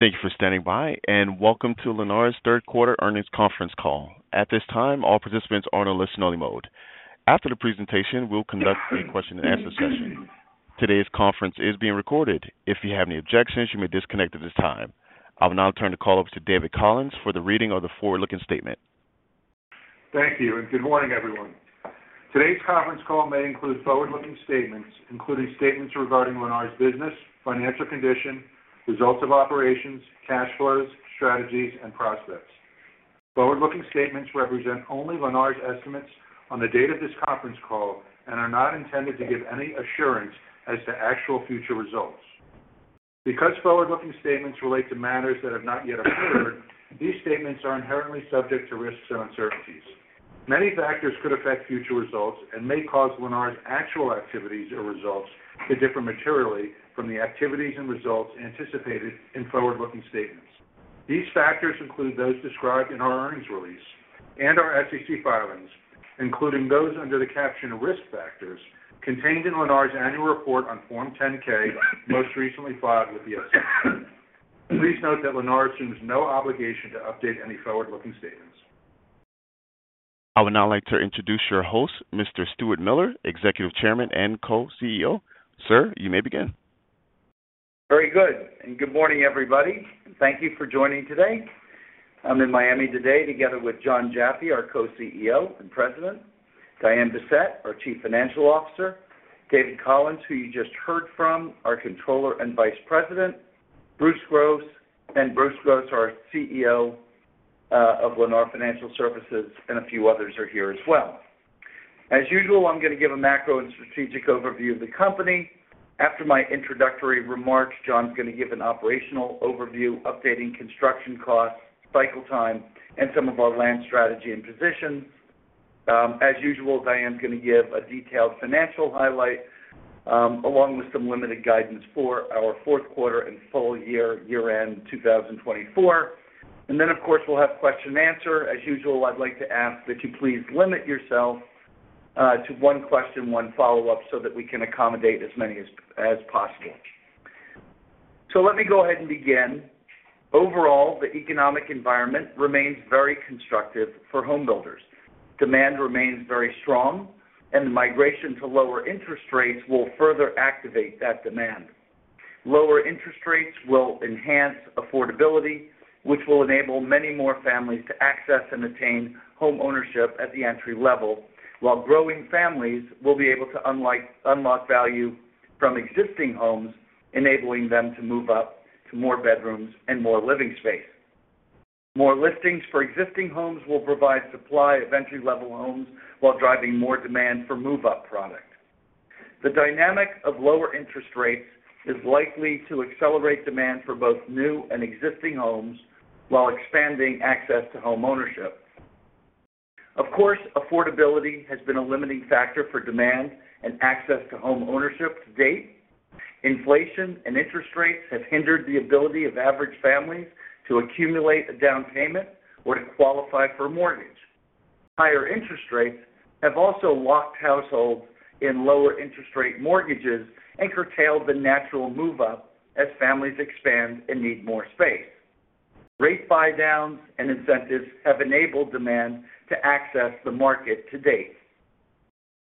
Thank you for standing by, and welcome to Lennar's third quarter earnings conference call. At this time, all participants are on a listen-only mode. After the presentation, we'll conduct a question-and-answer session. Today's conference is being recorded. If you have any objections, you may disconnect at this time. I will now turn the call over to David Collins for the reading of the forward-looking statement. Thank you, and good morning, everyone. Today's conference call may include forward-looking statements, including statements regarding Lennar's business, financial condition, results of operations, cash flows, strategies, and prospects. Forward-looking statements represent only Lennar's estimates on the date of this conference call and are not intended to give any assurance as to actual future results. Because forward-looking statements relate to matters that have not yet occurred, these statements are inherently subject to risks and uncertainties. Many factors could affect future results and may cause Lennar's actual activities or results to differ materially from the activities and results anticipated in forward-looking statements. These factors include those described in our earnings release and our SEC filings, including those under the caption Risk Factors contained in Lennar's annual report on Form 10-K, most recently filed with the SEC. Please note that Lennar assumes no obligation to update any forward-looking statements. I would now like to introduce your host, Mr. Stuart Miller, Executive Chairman and Co-CEO. Sir, you may begin. Very good, and good morning, everybody, and thank you for joining today. I'm in Miami today, together with Jon Jaffe, our Co-CEO and President, Diane Bessette, our Chief Financial Officer, David Collins, who you just heard from, our Controller and Vice President, Bruce Gross, and Bruce Gross, our CEO of Lennar Financial Services, and a few others are here as well. As usual, I'm gonna give a macro and strategic overview of the company. After my introductory remarks, Jon's gonna give an operational overview, updating construction costs, cycle time, and some of our land strategy and position. As usual, Diane's gonna give a detailed financial highlight, along with some limited guidance for our fourth quarter and full year, year-end 2024. And then, of course, we'll have question and answer. As usual, I'd like to ask that you please limit yourself to one question, one follow-up, so that we can accommodate as many as possible. So let me go ahead and begin. Overall, the economic environment remains very constructive for homebuilders. Demand remains very strong, and the migration to lower interest rates will further activate that demand. Lower interest rates will enhance affordability, which will enable many more families to access and attain homeownership at the entry level, while growing families will be able to unlock value from existing homes, enabling them to move up to more bedrooms and more living space. More listings for existing homes will provide supply of entry-level homes while driving more demand for move-up product. The dynamic of lower interest rates is likely to accelerate demand for both new and existing homes while expanding access to homeownership. Of course, affordability has been a limiting factor for demand and access to homeownership to date. Inflation and interest rates have hindered the ability of average families to accumulate a down payment or to qualify for a mortgage. Higher interest rates have also locked households in lower interest rate mortgages and curtailed the natural move-up as families expand and need more space. Rate buydowns and incentives have enabled demand to access the market to date.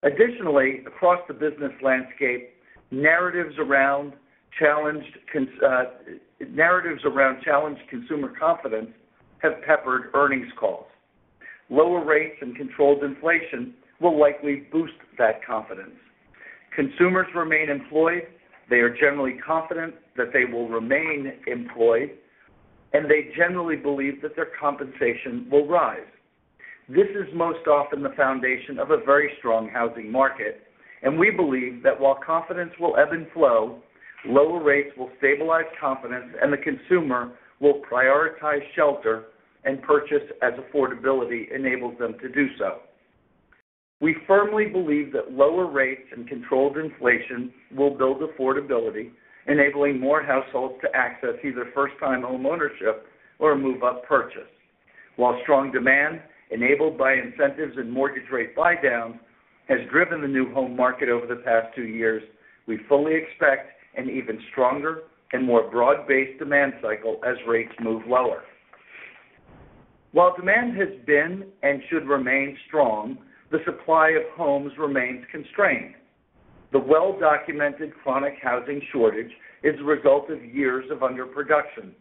Additionally, across the business landscape, narratives around challenged consumer confidence have peppered earnings calls. Lower rates and controlled inflation will likely boost that confidence. Consumers remain employed, they are generally confident that they will remain employed, and they generally believe that their compensation will rise. This is most often the foundation of a very strong housing market, and we believe that while confidence will ebb and flow, lower rates will stabilize confidence, and the consumer will prioritize shelter and purchase as affordability enables them to do so. We firmly believe that lower rates and controlled inflation will build affordability, enabling more households to access either first-time homeownership or a move-up purchase. While strong demand, enabled by incentives and mortgage rate buydowns, has driven the new home market over the past two years, we fully expect an even stronger and more broad-based demand cycle as rates move lower. While demand has been and should remain strong, the supply of homes remains constrained. The well-documented chronic housing shortage is a result of years of underproduction.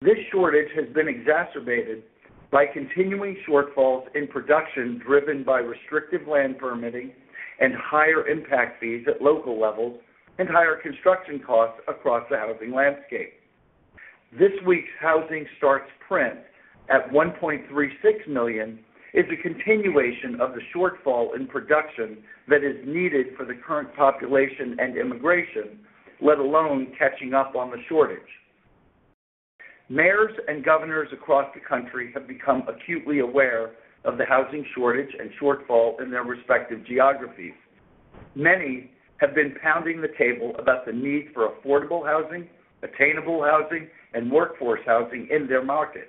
This shortage has been exacerbated by continuing shortfalls in production, driven by restrictive land permitting and higher impact fees at local levels and higher construction costs across the housing landscape. This week's housing starts print at 1.36 million is a continuation of the shortfall in production that is needed for the current population and immigration, let alone catching up on the shortage. Mayors and governors across the country have become acutely aware of the housing shortage and shortfall in their respective geographies. Many have been pounding the table about the need for affordable housing, attainable housing, and workforce housing in their markets....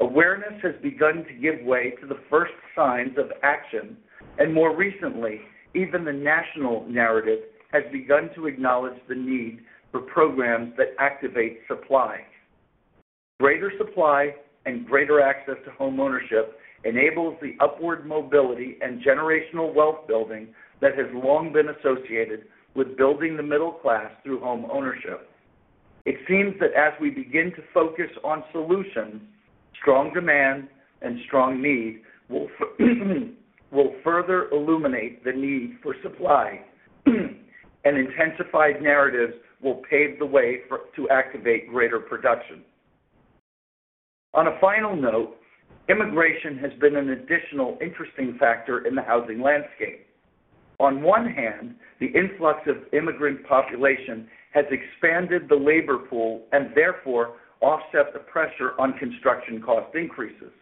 Awareness has begun to give way to the first signs of action, and more recently, even the national narrative has begun to acknowledge the need for programs that activate supply. Greater supply and greater access to homeownership enables the upward mobility and generational wealth building that has long been associated with building the middle class through homeownership. It seems that as we begin to focus on solutions, strong demand and strong need will further illuminate the need for supply. Intensified narratives will pave the way for, to activate greater production. On a final note, immigration has been an additional interesting factor in the housing landscape. On one hand, the influx of immigrant population has expanded the labor pool and therefore offset the pressure on construction cost increases.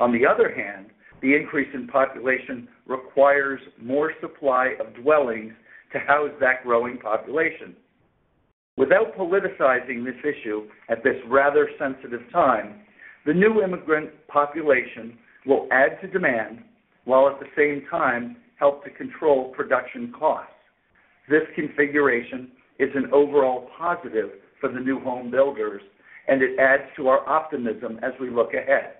On the other hand, the increase in population requires more supply of dwellings to house that growing population. Without politicizing this issue at this rather sensitive time, the new immigrant population will add to demand, while at the same time help to control production costs. This configuration is an overall positive for the new home builders, and it adds to our optimism as we look ahead.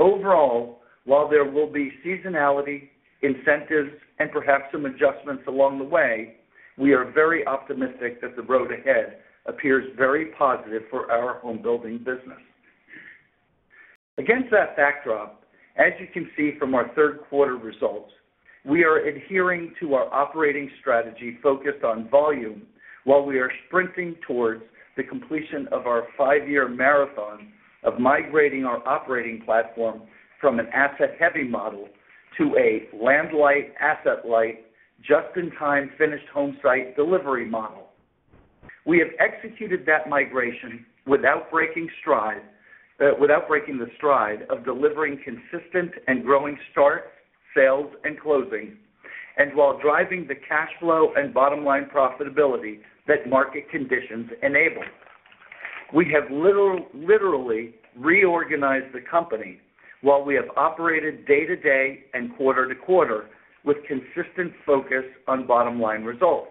Overall, while there will be seasonality, incentives, and perhaps some adjustments along the way, we are very optimistic that the road ahead appears very positive for our home building business. Against that backdrop, as you can see from our third quarter results, we are adhering to our operating strategy focused on volume while we are sprinting towards the completion of our five-year marathon of migrating our operating platform from an asset-heavy model to a land-light, asset-light, just-in-time finished home site delivery model. We have executed that migration without breaking stride, without breaking the stride of delivering consistent and growing starts, sales, and closings, and while driving the cash flow and bottom-line profitability that market conditions enable. We have literally reorganized the company while we have operated day-to-day and quarter-to-quarter with consistent focus on bottom-line results.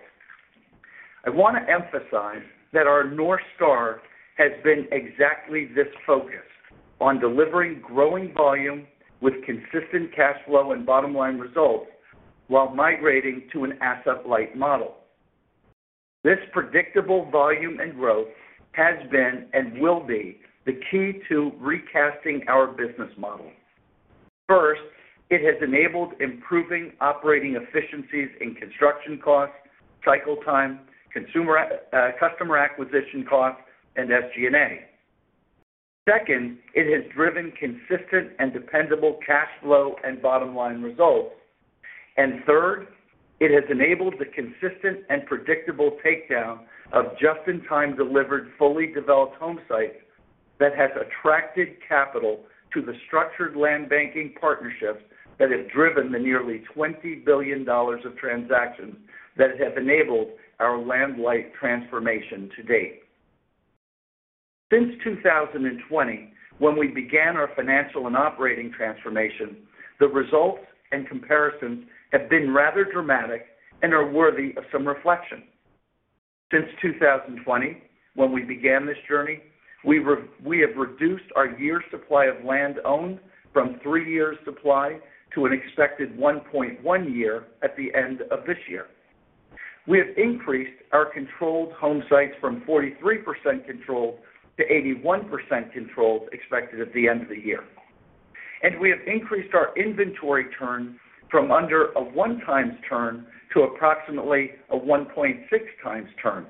I wanna emphasize that our North Star has been exactly this focus, on delivering growing volume with consistent cash flow and bottom-line results, while migrating to an asset-light model. This predictable volume and growth has been and will be the key to recasting our business model. First, it has enabled improving operating efficiencies in construction costs, cycle time, customer acquisition costs, and SG&A. Second, it has driven consistent and dependable cash flow and bottom-line results. And third, it has enabled the consistent and predictable takedown of just-in-time delivered, fully developed home sites that has attracted capital to the structured land banking partnerships that have driven the nearly $20 billion of transactions that have enabled our land-light transformation to date. Since 2020, when we began our financial and operating transformation, the results and comparisons have been rather dramatic and are worthy of some reflection. Since 2020, when we began this journey, we have reduced our year's supply of land owned from three years' supply to an expected 1.1 year at the end of this year. We have increased our controlled home sites from 43% controlled to 81% controlled, expected at the end of the year. And we have increased our inventory turn from under a 1x turn to approximately a 1.6x turn.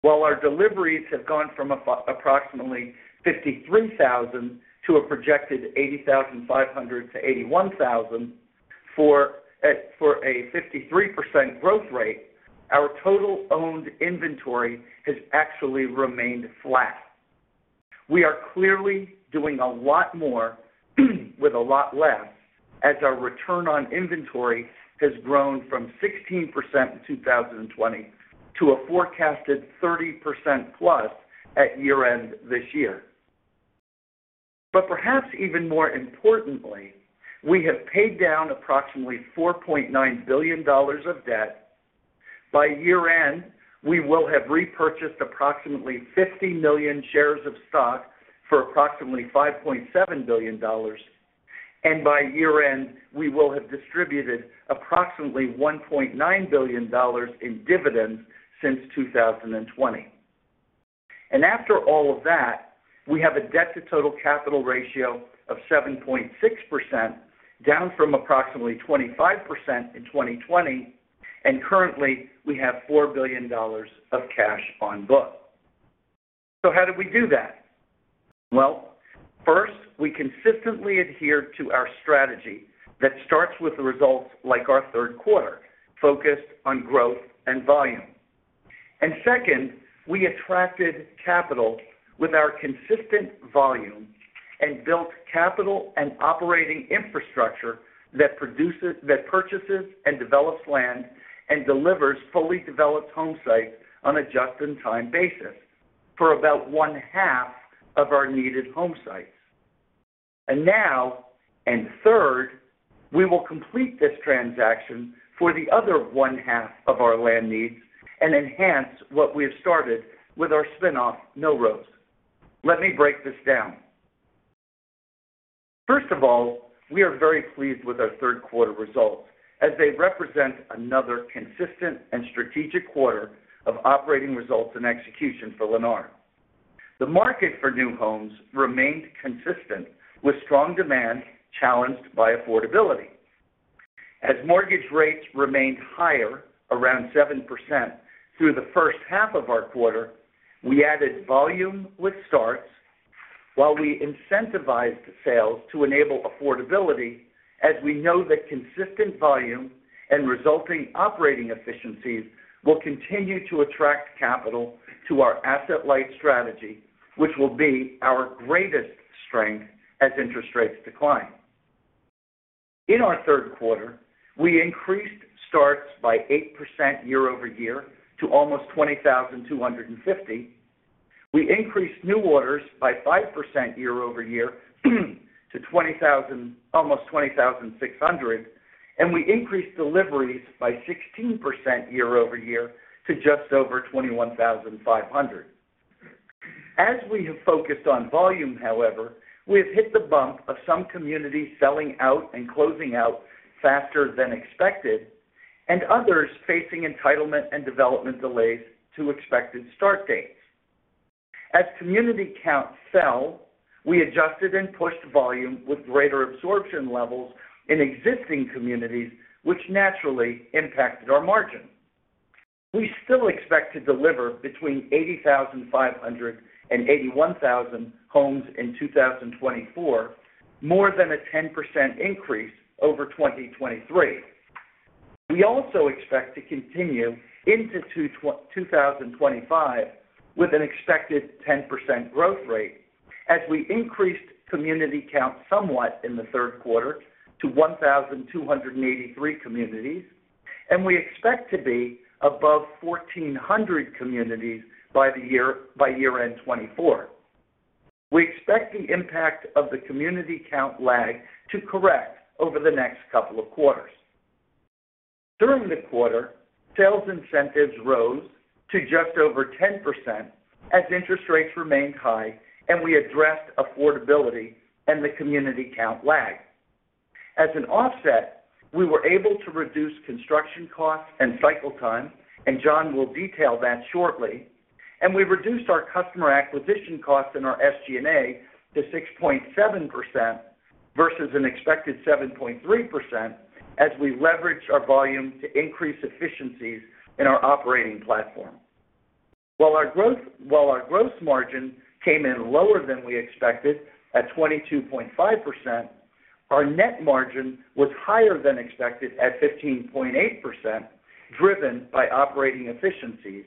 While our deliveries have gone from approximately 53,000 to a projected 80,500 to 81,000 for a 53% growth rate, our total owned inventory has actually remained flat. We are clearly doing a lot more, with a lot less, as our return on inventory has grown from 16% in 2020 to a forecasted 30%+ at year-end this year. But perhaps even more importantly, we have paid down approximately $4.9 billion of debt. By year-end, we will have repurchased approximately 50 million shares of stock for approximately $5.7 billion, and by year-end, we will have distributed approximately $1.9 billion in dividends since 2020. And after all of that, we have a debt-to-total capital ratio of 7.6%, down from approximately 25% in 2020, and currently, we have $4 billion of cash on book. So how did we do that? First, we consistently adhered to our strategy that starts with the results like our third quarter, focused on growth and volume. Second, we attracted capital with our consistent volume and built capital and operating infrastructure that purchases and develops land and delivers fully developed home sites on a just-in-time basis for about one half of our needed home sites. Now, third, we will complete this transaction for the other one half of our land needs and enhance what we have started with our spin-off, Millrose. Let me break this down. First of all, we are very pleased with our third quarter results, as they represent another consistent and strategic quarter of operating results and execution for Lennar. The market for new homes remained consistent, with strong demand challenged by affordability. As mortgage rates remained higher, around 7%, through the first half of our quarter, we added volume with starts, while we incentivized sales to enable affordability, as we know that consistent volume and resulting operating efficiencies will continue to attract capital to our asset-light strategy, which will be our greatest strength as interest rates decline. In our third quarter, we increased starts by 8% year-over-year to almost 20,250. We increased new orders by 5% year-over-year, to almost 20,600, and we increased deliveries by 16% year-over-year to just over 21,500. As we have focused on volume, however, we have hit the bump of some communities selling out and closing out faster than expected, and others facing entitlement and development delays to expected start dates. As community counts fell, we adjusted and pushed volume with greater absorption levels in existing communities, which naturally impacted our margin. We still expect to deliver between 80,500 and 81,000 homes in 2024, more than a 10% increase over 2023. We also expect to continue into 2025 with an expected 10% growth rate as we increased community count somewhat in the third quarter to 1,283 communities, and we expect to be above 1,400 communities by year-end 2024. We expect the impact of the community count lag to correct over the next couple of quarters. During the quarter, sales incentives rose to just over 10% as interest rates remained high, and we addressed affordability and the community count lag. As an offset, we were able to reduce construction costs and cycle time, and Jon will detail that shortly, and we reduced our customer acquisition costs in our SG&A to 6.7% versus an expected 7.3%, as we leveraged our volume to increase efficiencies in our operating platform. While our gross margin came in lower than we expected, at 22.5%, our net margin was higher than expected at 15.8%, driven by operating efficiencies,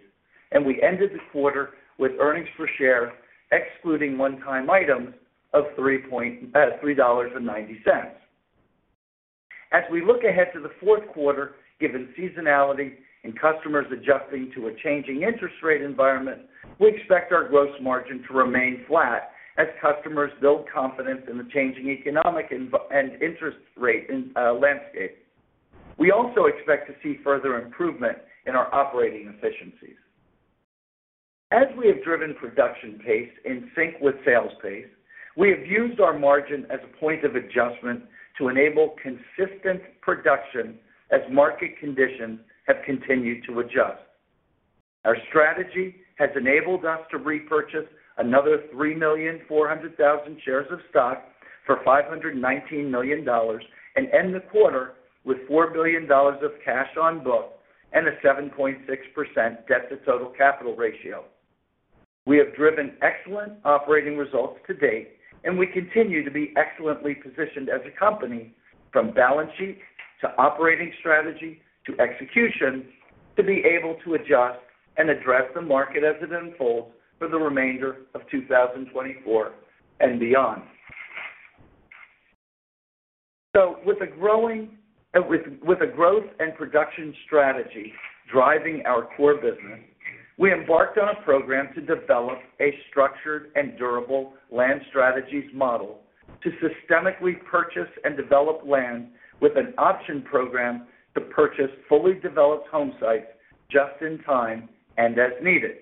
and we ended the quarter with earnings per share, excluding one-time items, of $3.90. As we look ahead to the fourth quarter, given seasonality and customers adjusting to a changing interest rate environment, we expect our gross margin to remain flat as customers build confidence in the changing economic environment and interest rate landscape. We also expect to see further improvement in our operating efficiencies. As we have driven production pace in sync with sales pace, we have used our margin as a point of adjustment to enable consistent production as market conditions have continued to adjust. Our strategy has enabled us to repurchase another three million four hundred thousand shares of stock for $519 million and end the quarter with $4 billion of cash on book and a 7.6% debt-to-total capital ratio. We have driven excellent operating results to date, and we continue to be excellently positioned as a company, from balance sheet to operating strategy to execution, to be able to adjust and address the market as it unfolds for the remainder of 2024 and beyond. So with a growth and production strategy driving our core business, we embarked on a program to develop a structured and durable land strategies model to systematically purchase and develop land with an option program to purchase fully developed home sites just in time and as needed.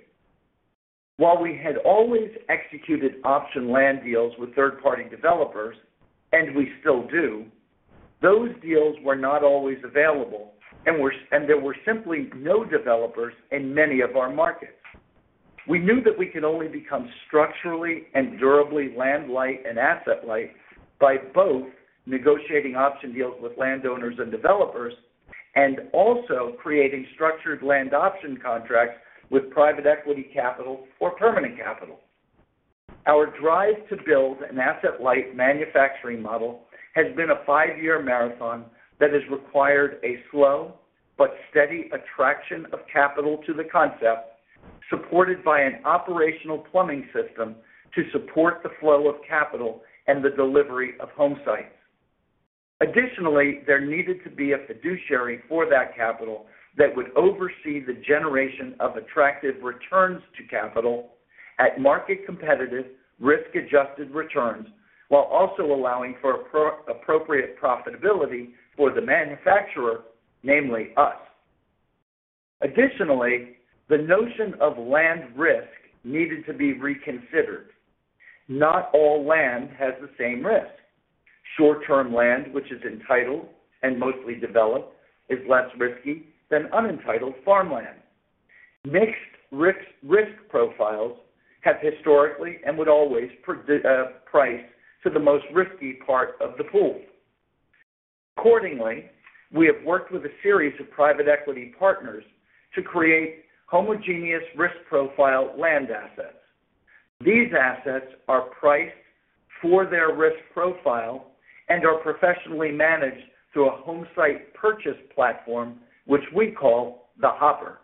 While we had always executed option land deals with third-party developers, and we still do, those deals were not always available, and there were simply no developers in many of our markets. We knew that we could only become structurally and durably land-light and asset-light by both negotiating option deals with landowners and developers and also creating structured land option contracts with private equity capital or permanent capital. Our drive to build an asset-light manufacturing model has been a five-year marathon that has required a slow but steady attraction of capital to the concept... Supported by an operational plumbing system to support the flow of capital and the delivery of home sites. Additionally, there needed to be a fiduciary for that capital that would oversee the generation of attractive returns to capital at market-competitive, risk-adjusted returns, while also allowing for appropriate profitability for the manufacturer, namely us. Additionally, the notion of land risk needed to be reconsidered. Not all land has the same risk. Short-term land, which is entitled and mostly developed, is less risky than unentitled farmland. Mixed risk, risk profiles have historically and would always price to the most risky part of the pool. Accordingly, we have worked with a series of private equity partners to create homogeneous risk profile land assets. These assets are priced for their risk profile and are professionally managed through a home site purchase platform, which we call the HOPP'R.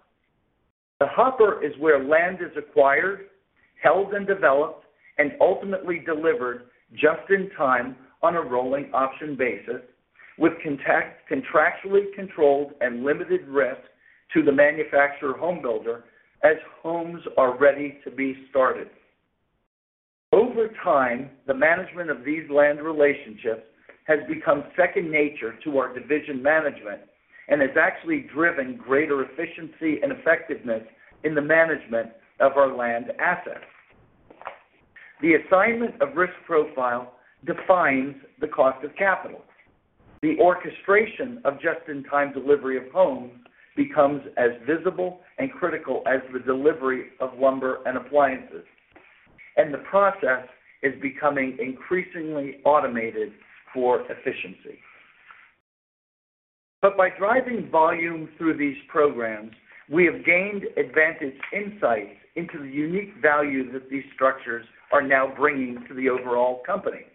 The HOPP'R is where land is acquired, held, and developed, and ultimately delivered just-in-time on a rolling option basis, with contractually controlled and limited risk to the homebuilder as homes are ready to be started. Over time, the management of these land relationships has become second nature to our division management and has actually driven greater efficiency and effectiveness in the management of our land assets. The assignment of risk profile defines the cost of capital. The orchestration of just-in-time delivery of homes becomes as visible and critical as the delivery of lumber and appliances, and the process is becoming increasingly automated for efficiency. But by driving volume through these programs, we have gained advantaged insights into the unique value that these structures are now bringing to the overall company.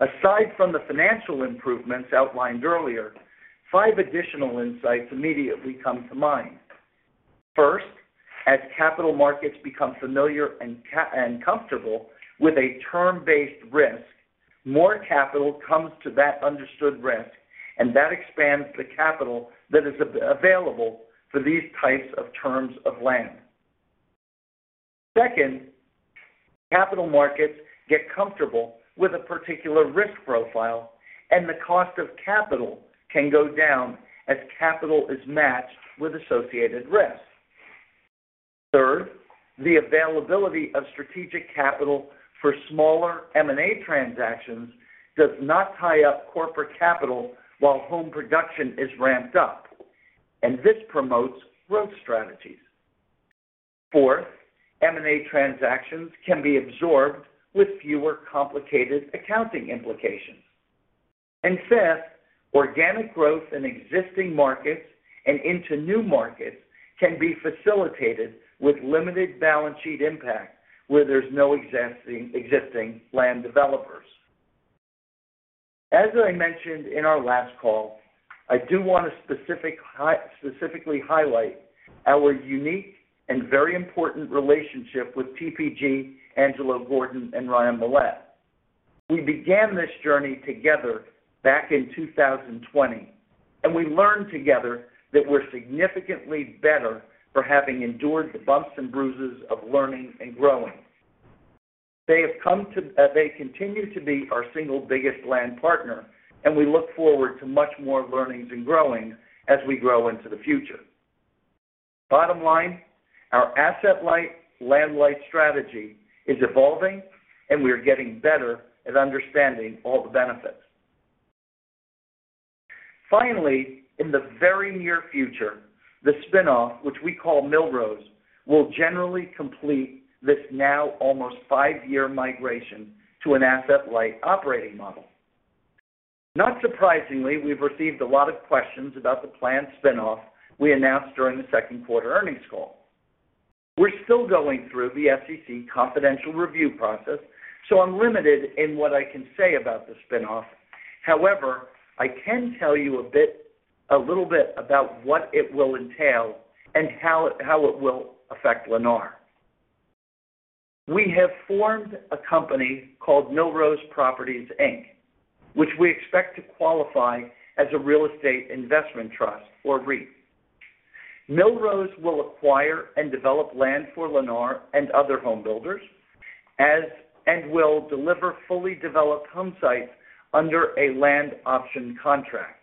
Aside from the financial improvements outlined earlier, five additional insights immediately come to mind. First, as capital markets become familiar and comfortable with a term-based risk, more capital comes to that understood risk, and that expands the capital that is available for these types of terms of land. Second, capital markets get comfortable with a particular risk profile, and the cost of capital can go down as capital is matched with associated risk. Third, the availability of strategic capital for smaller M&A transactions does not tie up corporate capital while home production is ramped up, and this promotes growth strategies. Fourth, M&A transactions can be absorbed with fewer complicated accounting implications. Fifth, organic growth in existing markets and into new markets can be facilitated with limited balance sheet impact, where there's no existing land developers. As I mentioned in our last call, I do want to specifically highlight our unique and very important relationship with TPG, Angelo Gordon, and Ryan Mollett. We began this journey together back in two thousand and twenty, and we learned together that we're significantly better for having endured the bumps and bruises of learning and growing. They have come to... They continue to be our single biggest land partner, and we look forward to much more learnings and growing as we grow into the future. Bottom line, our asset-light, land-light strategy is evolving, and we are getting better at understanding all the benefits. Finally, in the very near future, the spinoff, which we call Millrose, will generally complete this now almost five-year migration to an asset-light operating model. Not surprisingly, we've received a lot of questions about the planned spinoff we announced during the second quarter earnings call. We're still going through the SEC confidential review process, so I'm limited in what I can say about the spinoff. However, I can tell you a little bit about what it will entail and how it will affect Lennar. We have formed a company called Millrose Properties, Inc., which we expect to qualify as a real estate investment trust or REIT. Millrose will acquire and develop land for Lennar and other home builders and will deliver fully developed home sites under a land option contract.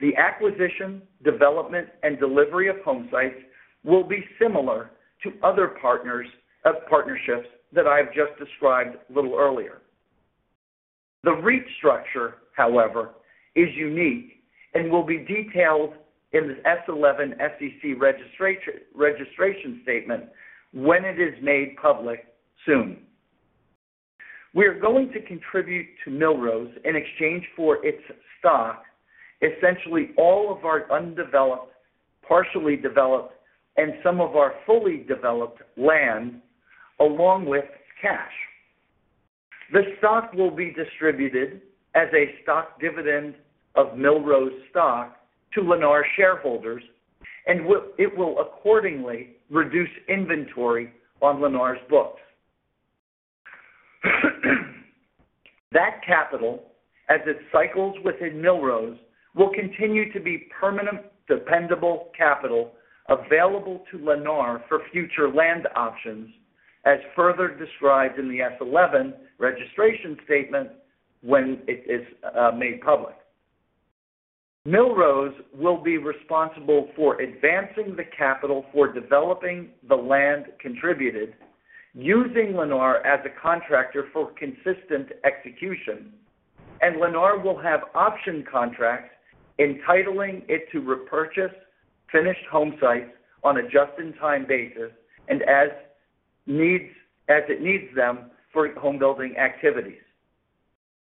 The acquisition, development, and delivery of home sites will be similar to other partnerships that I've just described a little earlier. The REIT structure, however, is unique and will be detailed in the S-11 SEC registration statement when it is made public soon. We are going to contribute to Millrose, in exchange for its stock, essentially all of our undeveloped, partially developed, and some of our fully developed land, along with cash. The stock will be distributed as a stock dividend of Millrose stock to Lennar shareholders, and it will accordingly reduce inventory on Lennar's books. That capital, as it cycles within Millrose, will continue to be permanent, dependable capital available to Lennar for future land options, as further described in the S-11 registration statement when it is made public. Millrose will be responsible for advancing the capital for developing the land contributed, using Lennar as a contractor for consistent execution, and Lennar will have option contracts entitling it to repurchase finished home sites on a just-in-time basis and as it needs them for home building activities.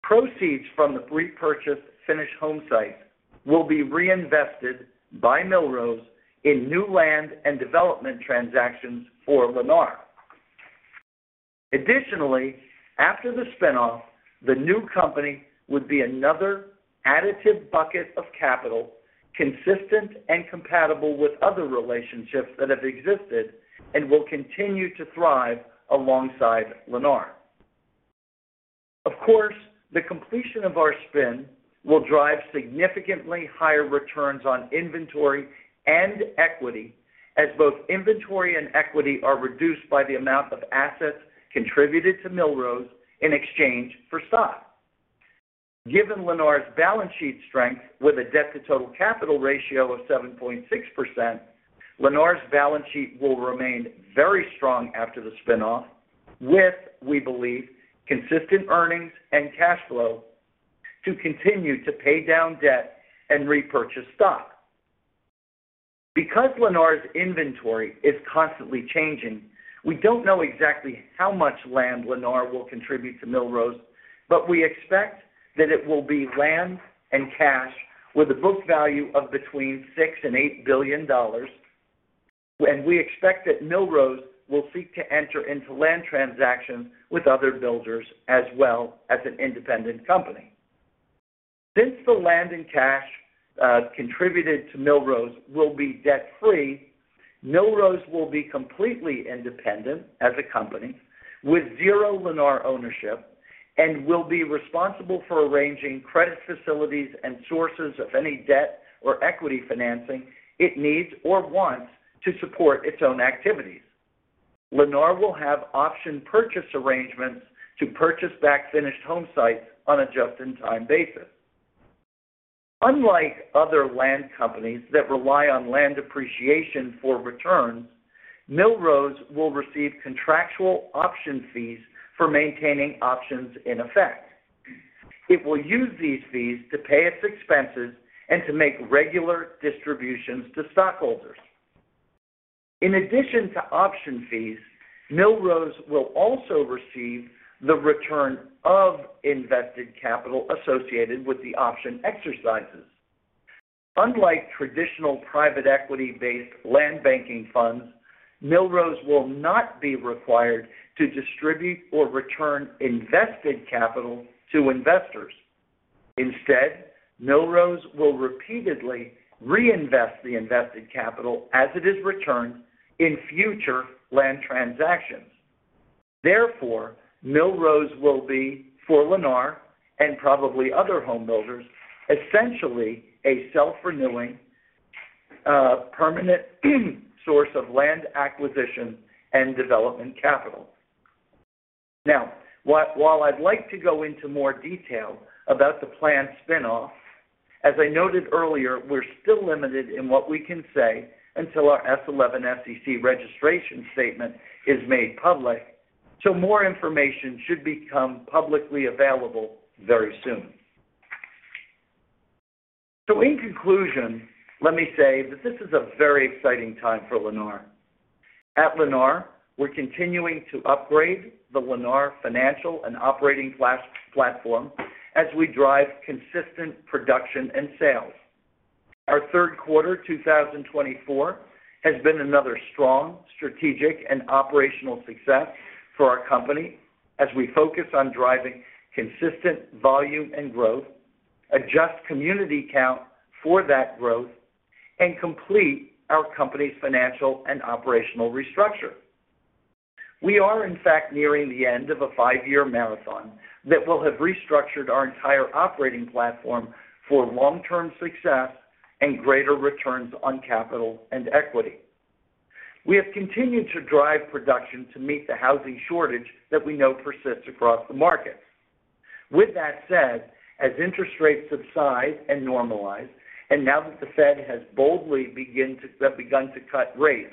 Proceeds from the repurchased finished home site will be reinvested by Millrose in new land and development transactions for Lennar. Additionally, after the spin-off, the new company would be another additive bucket of capital, consistent and compatible with other relationships that have existed and will continue to thrive alongside Lennar. Of course, the completion of our spin will drive significantly higher returns on inventory and equity, as both inventory and equity are reduced by the amount of assets contributed to Millrose in exchange for stock. Given Lennar's balance sheet strength, with a debt-to-total capital ratio of 7.6%, Lennar's balance sheet will remain very strong after the spin-off, with, we believe, consistent earnings and cash flow to continue to pay down debt and repurchase stock. Because Lennar's inventory is constantly changing, we don't know exactly how much land Lennar will contribute to Millrose, but we expect that it will be land and cash with a book value of between $6 billion and $8 billion, and we expect that Millrose will seek to enter into land transactions with other builders as well as an independent company. Since the land and cash contributed to Millrose will be debt-free, Millrose will be completely independent as a company with zero Lennar ownership and will be responsible for arranging credit facilities and sources of any debt or equity financing it needs or wants to support its own activities. Lennar will have option purchase arrangements to purchase back finished home sites on a just-in-time basis. Unlike other land companies that rely on land appreciation for returns, Millrose will receive contractual option fees for maintaining options in effect. It will use these fees to pay its expenses and to make regular distributions to stockholders. In addition to option fees, Millrose will also receive the return of invested capital associated with the option exercises. Unlike traditional private equity-based land banking funds, Millrose will not be required to distribute or return invested capital to investors. Instead, Millrose will repeatedly reinvest the invested capital as it is returned in future land transactions. Therefore, Millrose will be, for Lennar and probably other homebuilders, essentially a self-renewing, permanent, source of land acquisition and development capital. Now, while I'd like to go into more detail about the planned spin-off, as I noted earlier, we're still limited in what we can say until our S-11 SEC registration statement is made public, so more information should become publicly available very soon. So in conclusion, let me say that this is a very exciting time for Lennar. At Lennar, we're continuing to upgrade the Lennar financial and operating platform as we drive consistent production and sales. Our third quarter 2024 has been another strong strategic and operational success for our company as we focus on driving consistent volume and growth, adjust community count for that growth, and complete our company's financial and operational restructure. We are, in fact, nearing the end of a five-year marathon that will have restructured our entire operating platform for long-term success and greater returns on capital and equity. We have continued to drive production to meet the housing shortage that we know persists across the market. With that said, as interest rates subside and normalize, and now that the Fed has boldly begun to cut rates,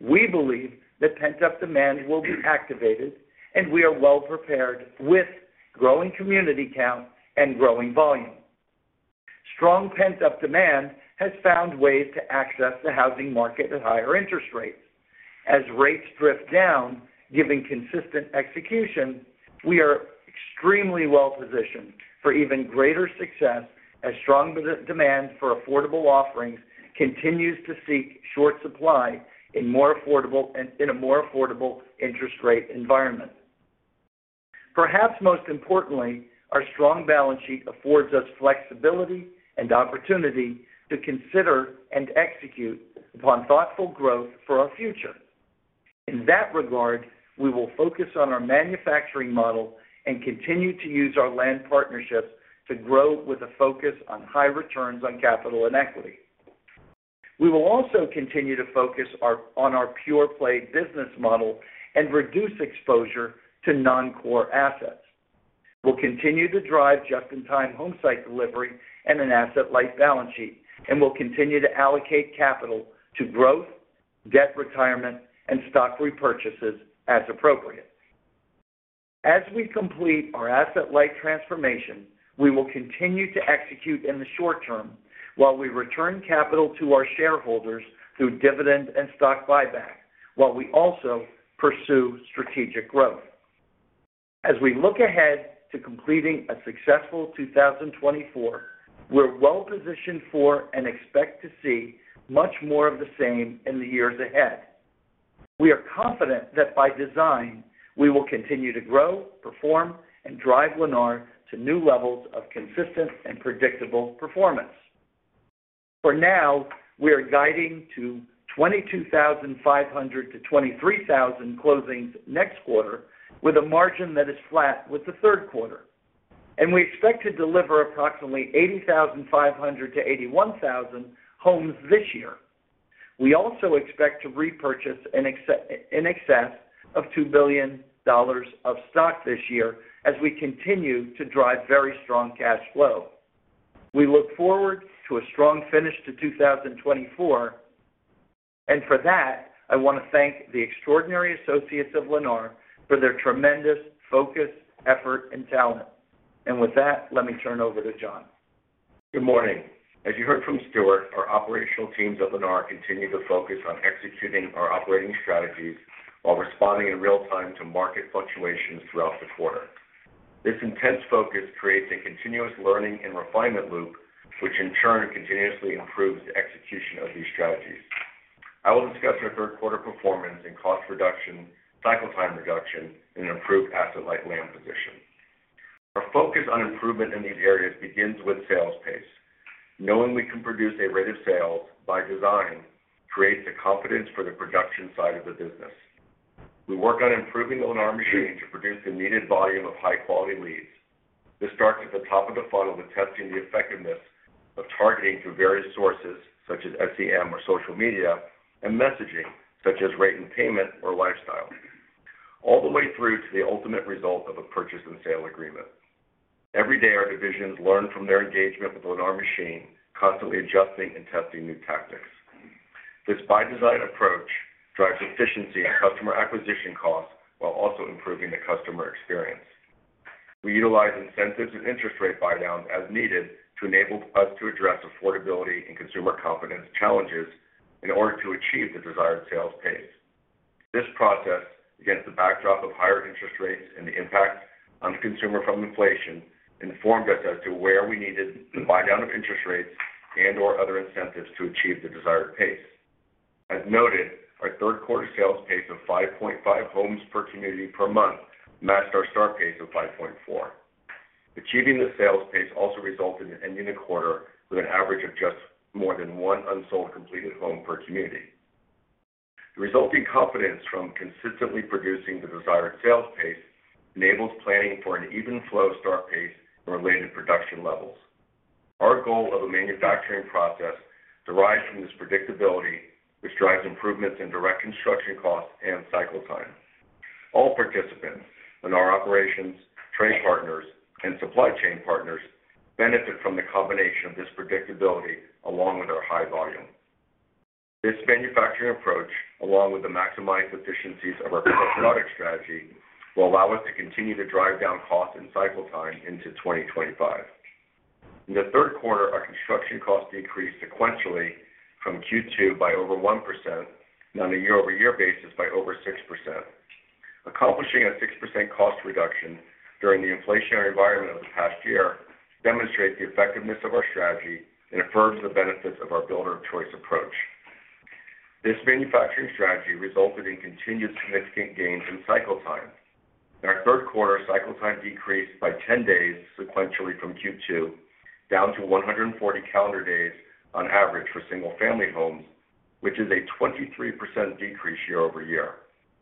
we believe that pent-up demand will be activated, and we are well prepared with growing community count and growing volume. Strong pent-up demand has found ways to access the housing market at higher interest rates. As rates drift down, giving consistent execution, we are extremely well positioned for even greater success, as strong demand for affordable offerings continues to seek short supply in a more affordable interest rate environment. Perhaps most importantly, our strong balance sheet affords us flexibility and opportunity to consider and execute upon thoughtful growth for our future. In that regard, we will focus on our manufacturing model and continue to use our land partnerships to grow with a focus on high returns on capital and equity. We will also continue to focus on our pure-play business model and reduce exposure to non-core assets. We'll continue to drive just-in-time home site delivery and an asset-light balance sheet, and we'll continue to allocate capital to growth, debt retirement, and stock repurchases as appropriate. As we complete our asset-light transformation, we will continue to execute in the short term while we return capital to our shareholders through dividends and stock buyback, while we also pursue strategic growth. As we look ahead to completing a successful two thousand and twenty-four, we're well positioned for and expect to see much more of the same in the years ahead. We are confident that by design, we will continue to grow, perform, and drive Lennar to new levels of consistent and predictable performance. For now, we are guiding to 22,500-23,000 closings next quarter, with a margin that is flat with the third quarter, and we expect to deliver approximately 80,500-81,000 homes this year. We also expect to repurchase in excess of $2 billion of stock this year as we continue to drive very strong cash flow. We look forward to a strong finish to 2024, and for that, I want to thank the extraordinary associates of Lennar for their tremendous focus, effort, and talent. And with that, let me turn over to Jon. Good morning. As you heard from Stuart, our operational teams at Lennar continue to focus on executing our operating strategies while responding in real time to market fluctuations throughout the quarter. This intense focus creates a continuous learning and refinement loop, which in turn continuously improves the execution of these strategies. I will discuss our third quarter performance in cost reduction, cycle time reduction, and improved asset-light land position. Our focus on improvement in these areas begins with sales pace. Knowing we can produce a rate of sales by design creates the confidence for the production side of the business. We work on improving the Lennar machine to produce the needed volume of high-quality leads. This starts at the top of the funnel with testing the effectiveness of targeting through various sources, such as SEM or social media, and messaging, such as rate and payment or lifestyle, all the way through to the ultimate result of a purchase and sale agreement. Every day, our divisions learn from their engagement with the Lennar machine, constantly adjusting and testing new tactics. This by-design approach drives efficiency and customer acquisition costs while also improving the customer experience. We utilize incentives and interest rate buydowns as needed to enable us to address affordability and consumer confidence challenges in order to achieve the desired sales pace. This process, against the backdrop of higher interest rates and the impact on the consumer from inflation, informed us as to where we needed the buydown of interest rates and/or other incentives to achieve the desired pace. As noted, our third quarter sales pace of 5.5 homes per community per month matched our start pace of 5.4. Achieving the sales pace also resulted in ending the quarter with an average of just more than one unsold completed home per community. The resulting confidence from consistently producing the desired sales pace enables planning for an even flow start pace and related production levels. Our goal of a manufacturing process derives from this predictability, which drives improvements in direct construction costs and cycle time. All participants in our operations, trade partners, and supply chain partners benefit from the combination of this predictability, along with our high volume. This manufacturing approach, along with the maximized efficiencies of our programmatic strategy, will allow us to continue to drive down costs and cycle time into 2025. In the third quarter, our construction costs decreased sequentially from Q2 by over 1% and on a year-over-year basis by over 6%. Accomplishing a 6% cost reduction during the inflationary environment of the past year demonstrates the effectiveness of our strategy and affirms the benefits of our builder-of-choice approach. This manufacturing strategy resulted in continued significant gains in cycle time. In our third quarter, cycle time decreased by 10 days sequentially from Q2, down to 140 calendar days on average for single-family homes, which is a 23% decrease year-over-year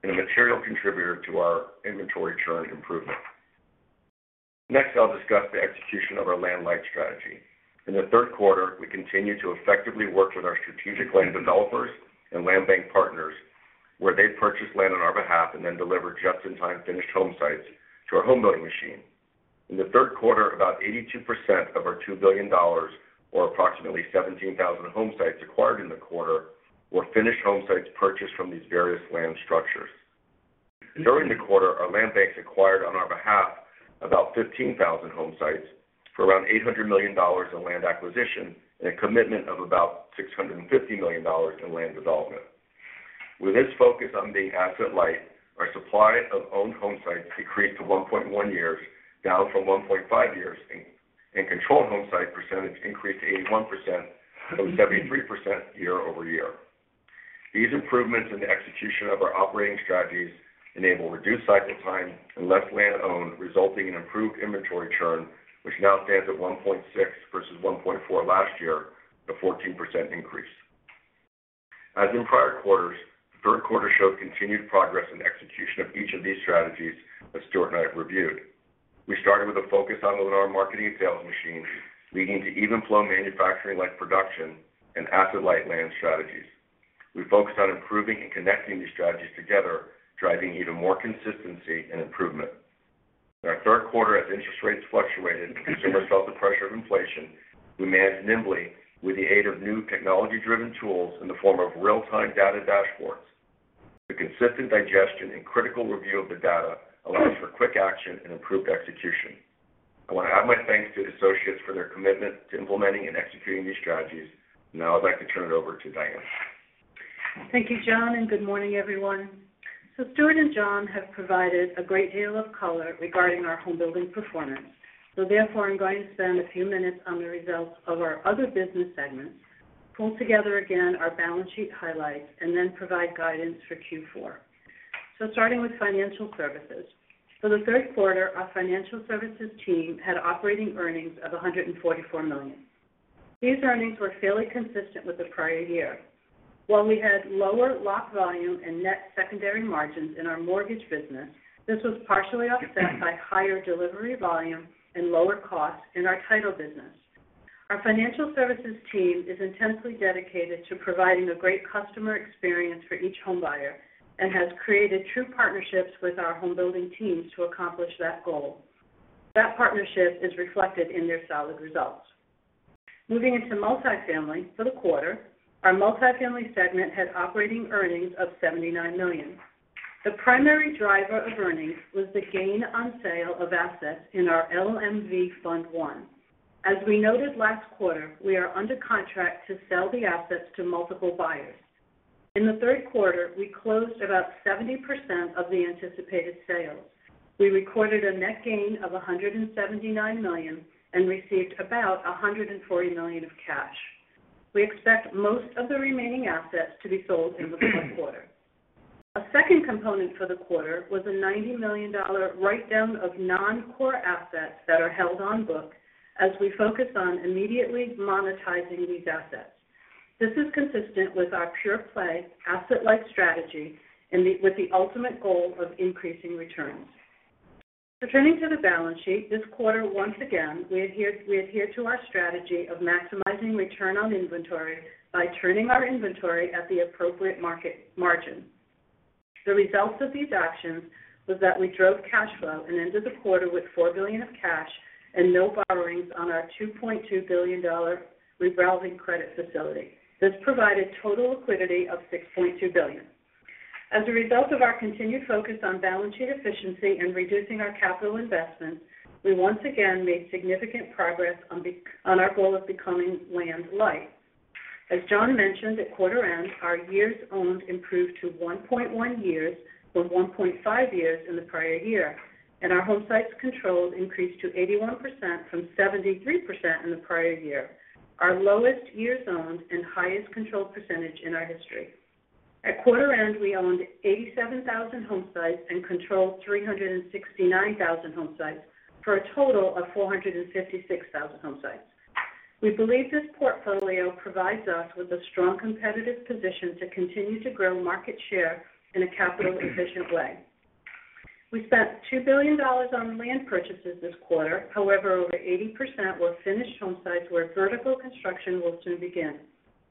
and a material contributor to our inventory churn improvement. Next, I'll discuss the execution of our land-light strategy. In the third quarter, we continued to effectively work with our strategic land developers and land bank partners, where they purchased land on our behalf and then delivered just-in-time finished home sites to our homebuilding machine. In the third quarter, about 82% of our $2 billion, or approximately 17,000 home sites acquired in the quarter, were finished home sites purchased from these various land structures. During the quarter, our land banks acquired on our behalf about 15,000 home sites for around $800 million in land acquisition and a commitment of about $650 million in land development. With this focus on being asset-light, our supply of owned home sites decreased to 1.1 years, down from 1.5 years, and controlled home site percentage increased to 81%, from 73% year-over-year. These improvements in the execution of our operating strategies enable reduced cycle time and less land owned, resulting in improved inventory churn, which now stands at 1.6x versus 1.4x last year, a 14% increase. As in prior quarters, the third quarter showed continued progress in the execution of each of these strategies that Stuart and I have reviewed. We started with a focus on our marketing and sales machine, leading to even flow manufacturing-like production and asset-light land strategies. We focused on improving and connecting these strategies together, driving even more consistency and improvement. In our third quarter, as interest rates fluctuated, and consumers felt the pressure of inflation, we managed nimbly with the aid of new technology-driven tools in the form of real-time data dashboards. The consistent digestion and critical review of the data allows for quick action and improved execution. I want to add my thanks to the associates for their commitment to implementing and executing these strategies. Now I'd like to turn it over to Diane. Thank you, Jon, and good morning, everyone. Stuart and Jon have provided a great deal of color regarding our homebuilding performance. Therefore, I'm going to spend a few minutes on the results of our other business segments, pull together again our balance sheet highlights, and then provide guidance for Q4. Starting with financial services. For the third quarter, our financial services team had operating earnings of $144 million. These earnings were fairly consistent with the prior year. While we had lower lock volume and net secondary margins in our mortgage business, this was partially offset by higher delivery volume and lower costs in our title business. Our financial services team is intensely dedicated to providing a great customer experience for each homebuyer and has created true partnerships with our homebuilding teams to accomplish that goal. That partnership is reflected in their solid results. Moving into multifamily for the quarter, our multifamily segment had operating earnings of $79 million. The primary driver of earnings was the gain on sale of assets in our LMV Fund I. As we noted last quarter, we are under contract to sell the assets to multiple buyers. In the third quarter, we closed about 70% of the anticipated sales. We recorded a net gain of $179 million and received about $140 million of cash. We expect most of the remaining assets to be sold in the fourth quarter. A second component for the quarter was a $90 million write-down of non-core assets that are held on book as we focus on immediately monetizing these assets. This is consistent with our pure-play, asset-light strategy with the ultimate goal of increasing returns. Turning to the balance sheet, this quarter, once again, we adhere to our strategy of maximizing return on inventory by turning our inventory at the appropriate market margin. The results of these actions was that we drove cash flow and ended the quarter with $4 billion of cash and no borrowings on our $2.2 billion-dollar revolving credit facility. This provided total liquidity of $6.2 billion. As a result of our continued focus on balance sheet efficiency and reducing our capital investments, we once again made significant progress on our goal of becoming land light. As Jon mentioned, at quarter end, our years owned improved to 1.1 years from 1.5 years in the prior year, and our homesites controlled increased to 81% from 73% in the prior year, our lowest years owned and highest controlled percentage in our history. At quarter end, we owned 87,000 homesites and controlled 369,000 homesites, for a total of 456,000 homesites. We believe this portfolio provides us with a strong competitive position to continue to grow market share in a capital-efficient way. We spent $2 billion on land purchases this quarter. However, over 80% were finished homesites where vertical construction will soon begin.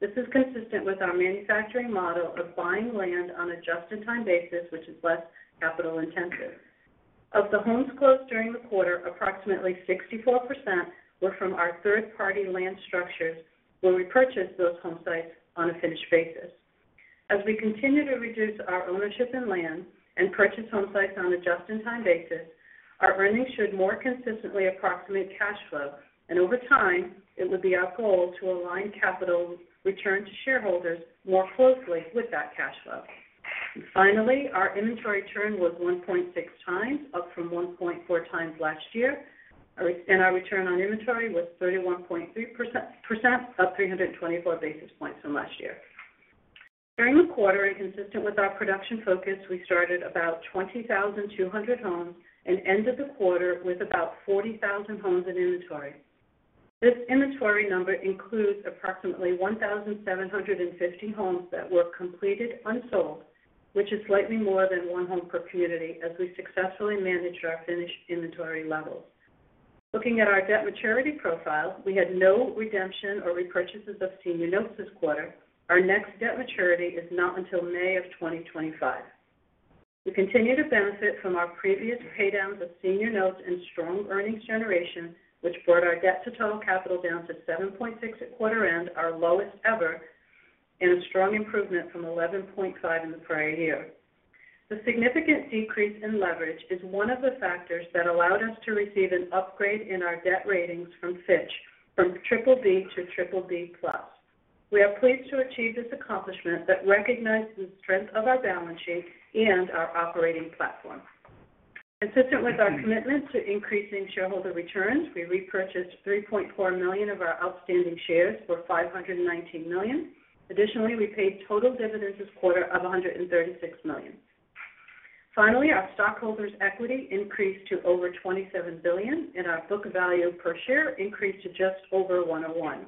This is consistent with our manufacturing model of buying land on a just-in-time basis, which is less capital intensive. Of the homes closed during the quarter, approximately 64% were from our third-party land structures, where we purchased those homesites on a finished basis. As we continue to reduce our ownership in land and purchase homesites on a just-in-time basis, our earnings should more consistently approximate cash flow, and over time, it would be our goal to align capital return to shareholders more closely with that cash flow. Finally, our inventory churn was 1.6x, up from 1.4x last year, and our return on inventory was 31.3%, up 324 basis points from last year. During the quarter, and consistent with our production focus, we started about 20,200 homes and ended the quarter with about 40,000 homes in inventory. This inventory number includes approximately 1,750 homes that were completed unsold, which is slightly more than one home per community, as we successfully managed our finished inventory levels. Looking at our debt maturity profile, we had no redemption or repurchases of senior notes this quarter. Our next debt maturity is not until May of 2025. We continue to benefit from our previous paydowns of senior notes and strong earnings generation, which brought our debt to total capital down to 7.6 at quarter end, our lowest ever, and a strong improvement from 11.5 in the prior year. The significant decrease in leverage is one of the factors that allowed us to receive an upgrade in our debt ratings from Fitch, from BBB to BBB+. We are pleased to achieve this accomplishment that recognizes the strength of our balance sheet and our operating platform. Consistent with our commitment to increasing shareholder returns, we repurchased 3.4 million of our outstanding shares for $519 million. Additionally, we paid total dividends this quarter of $136 million. Finally, our stockholders' equity increased to over $27 billion, and our book value per share increased to just over $101.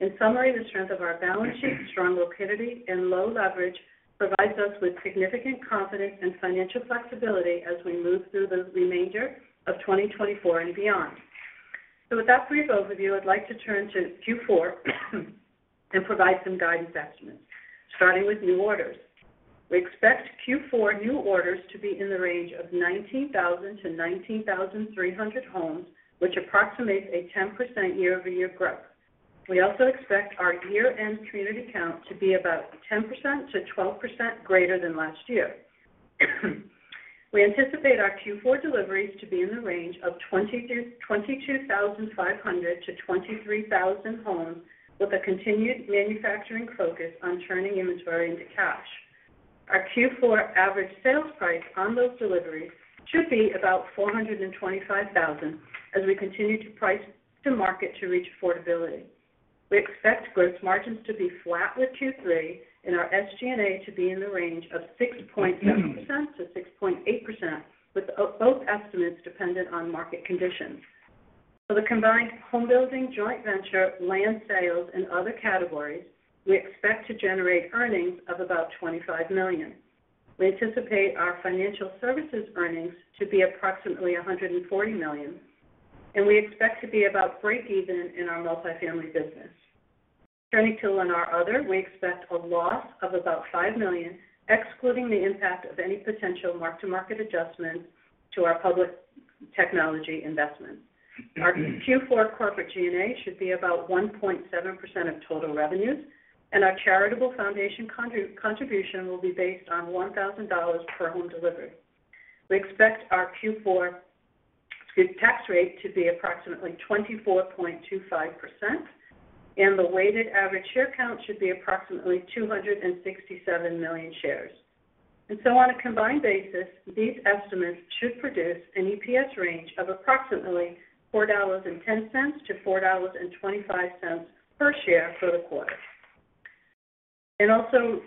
In summary, the strength of our balance sheet, strong liquidity, and low leverage provides us with significant confidence and financial flexibility as we move through the remainder of 2024 and beyond. So with that brief overview, I'd like to turn to Q4 and provide some guidance estimates, starting with new orders. We expect Q4 new orders to be in the range of 19,000-19,300 homes, which approximates a 10% year-over-year growth. We also expect our year-end community count to be about 10%-12% greater than last year. We anticipate our Q4 deliveries to be in the range of 22,500-23,000 homes, with a continued manufacturing focus on turning inventory into cash. Our Q4 average sales price on those deliveries should be about $425,000 as we continue to price to market to reach affordability. We expect gross margins to be flat with Q3, and our SG&A to be in the range of 6.7%-6.8%, with both estimates dependent on market conditions. For the combined homebuilding, joint venture, land sales, and other categories, we expect to generate earnings of about 25 million. We anticipate our financial services earnings to be approximately 140 million, and we expect to be about breakeven in our multifamily business. Turning to Lennar Other, we expect a loss of about 5 million, excluding the impact of any potential mark-to-market adjustments to our public technology investments. Our Q4 corporate G&A should be about 1.7% of total revenues, and our charitable foundation contribution will be based on $1,000 per home delivery. We expect our Q4 tax rate to be approximately 24.25%, and the weighted average share count should be approximately 267 million shares. And so on a combined basis, these estimates should produce an EPS range of approximately $4.10-$4.25 per share for the quarter. And also,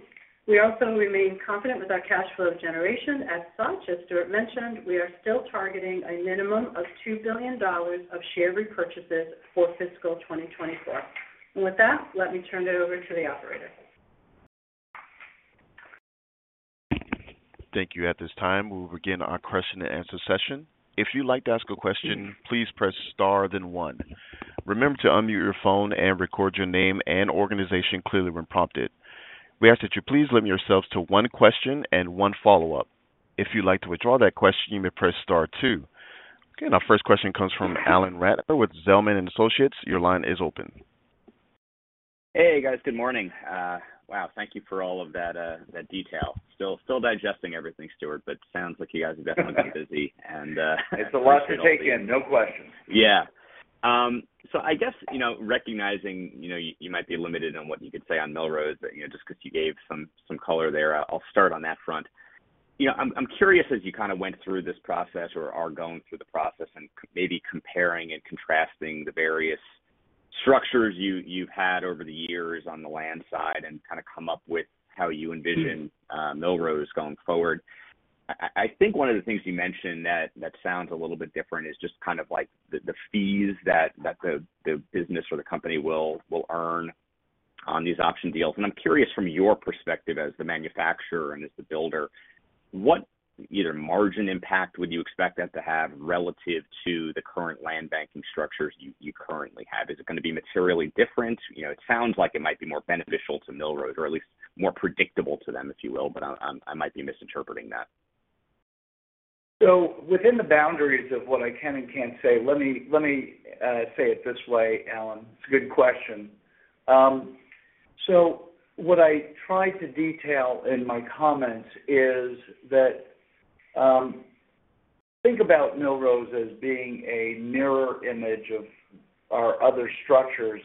we also remain confident with our cash flow generation. As such, as Stuart mentioned, we are still targeting a minimum of $2 billion of share repurchases for fiscal 2024. And with that, let me turn it over to the operator. Thank you. At this time, we'll begin our question-and-answer session. If you'd like to ask a question, please press star, then one. Remember to unmute your phone and record your name and organization clearly when prompted. We ask that you please limit yourselves to one question and one follow-up. If you'd like to withdraw that question, you may press star two. Okay, our first question comes from Alan Ratner with Zelman & Associates. Your line is open. Hey, guys. Good morning. Wow, thank you for all of that, that detail. Still digesting everything, Stuart, but sounds like you guys have definitely been busy, and- It's a lot to take in, no question. Yeah. So I guess, you know, recognizing, you know, you might be limited on what you could say on Millrose, you know, just because you gave some color there, I'll start on that front. You know, I'm curious, as you kind of went through this process or are going through the process and maybe comparing and contrasting the various structures you've had over the years on the land side and kind of come up with how you envision Millrose going forward. I think one of the things you mentioned that sounds a little bit different is just kind of like the fees that the business or the company will earn on these option deals. I'm curious from your perspective as the manufacturer and as the builder, what the margin impact would you expect that to have relative to the current land banking structures you currently have? Is it going to be materially different? You know, it sounds like it might be more beneficial to Millrose or at least more predictable to them, if you will, but I might be misinterpreting that. So within the boundaries of what I can and can't say, let me say it this way, Alan. It's a good question. So what I tried to detail in my comments is that, think about Millrose as being a mirror image of our other structures.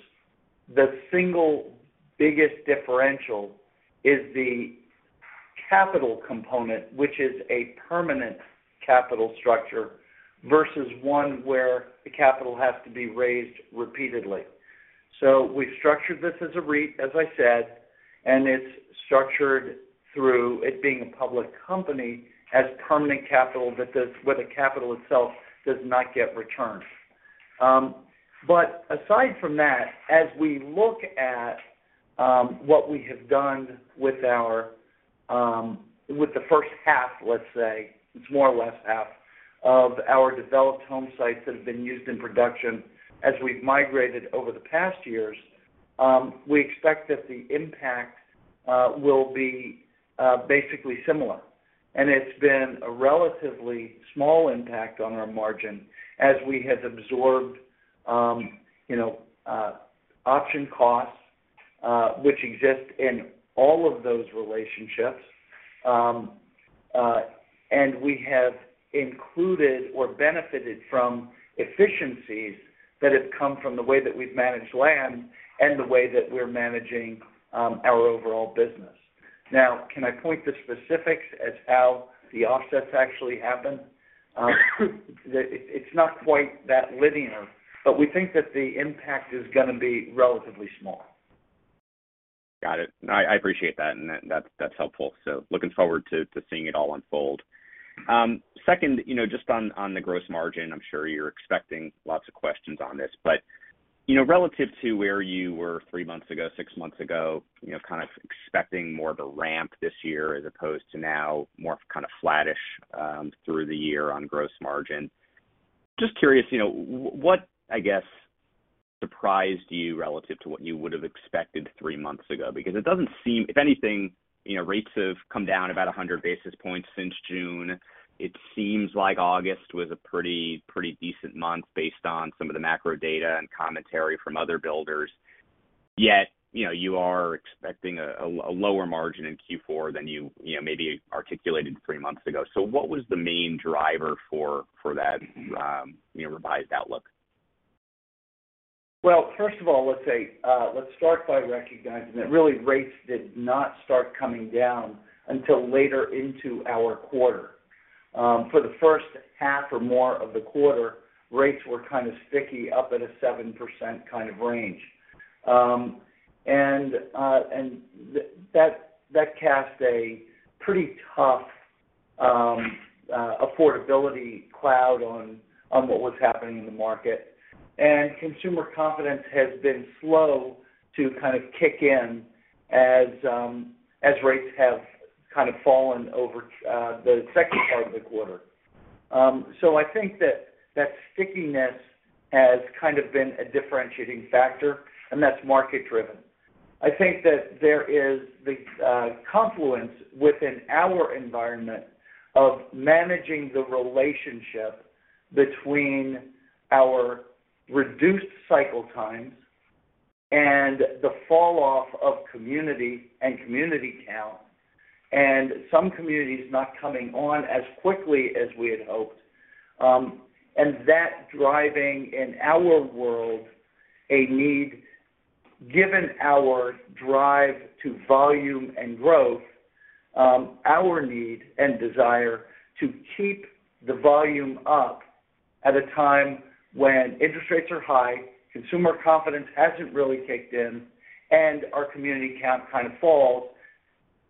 The single biggest differential is the capital component, which is a permanent capital structure, versus one where the capital has to be raised repeatedly. So we've structured this as a REIT, as I said, and it's structured through it being a public company as permanent capital, where the capital itself does not get returned. But aside from that, as we look at what we have done with the first half, let's say, it's more or less half of our developed home sites that have been used in production as we've migrated over the past years, we expect that the impact will be basically similar. And it's been a relatively small impact on our margin as we have absorbed, you know, option costs, which exist in all of those relationships. And we have included or benefited from efficiencies that have come from the way that we've managed land and the way that we're managing our overall business. Now, can I point to specifics as how the offsets actually happen? It's not quite that linear, but we think that the impact is gonna be relatively small. Got it. No, I appreciate that, and that's helpful, so looking forward to seeing it all unfold. Second, you know, just on the gross margin, I'm sure you're expecting lots of questions on this, but, you know, relative to where you were three months ago, six months ago, you know, kind of expecting more of a ramp this year as opposed to now more kind of flattish through the year on gross margin. Just curious, you know, what, I guess, surprised you relative to what you would have expected three months ago? Because it doesn't seem, if anything, you know, rates have come down about a hundred basis points since June. It seems like August was a pretty decent month based on some of the macro data and commentary from other builders. Yet, you know, you are expecting a lower margin in Q4 than you, you know, maybe articulated three months ago. So what was the main driver for that, you know, revised outlook? Well, first of all, let's say, let's start by recognizing that really rates did not start coming down until later into our quarter. For the first half or more of the quarter, rates were kind of sticky up at a 7% kind of range. And that cast a pretty tough affordability cloud on what was happening in the market. And consumer confidence has been slow to kind of kick in as rates have kind of fallen over the second part of the quarter. So I think that that stickiness has kind of been a differentiating factor, and that's market driven. I think that there is the confluence within our environment of managing the relationship between our reduced cycle times and the falloff of community and community count, and some communities not coming on as quickly as we had hoped, and that driving, in our world, a need, given our drive to volume and growth, our need and desire to keep the volume up at a time when interest rates are high, consumer confidence hasn't really kicked in, and our community count kind of falls,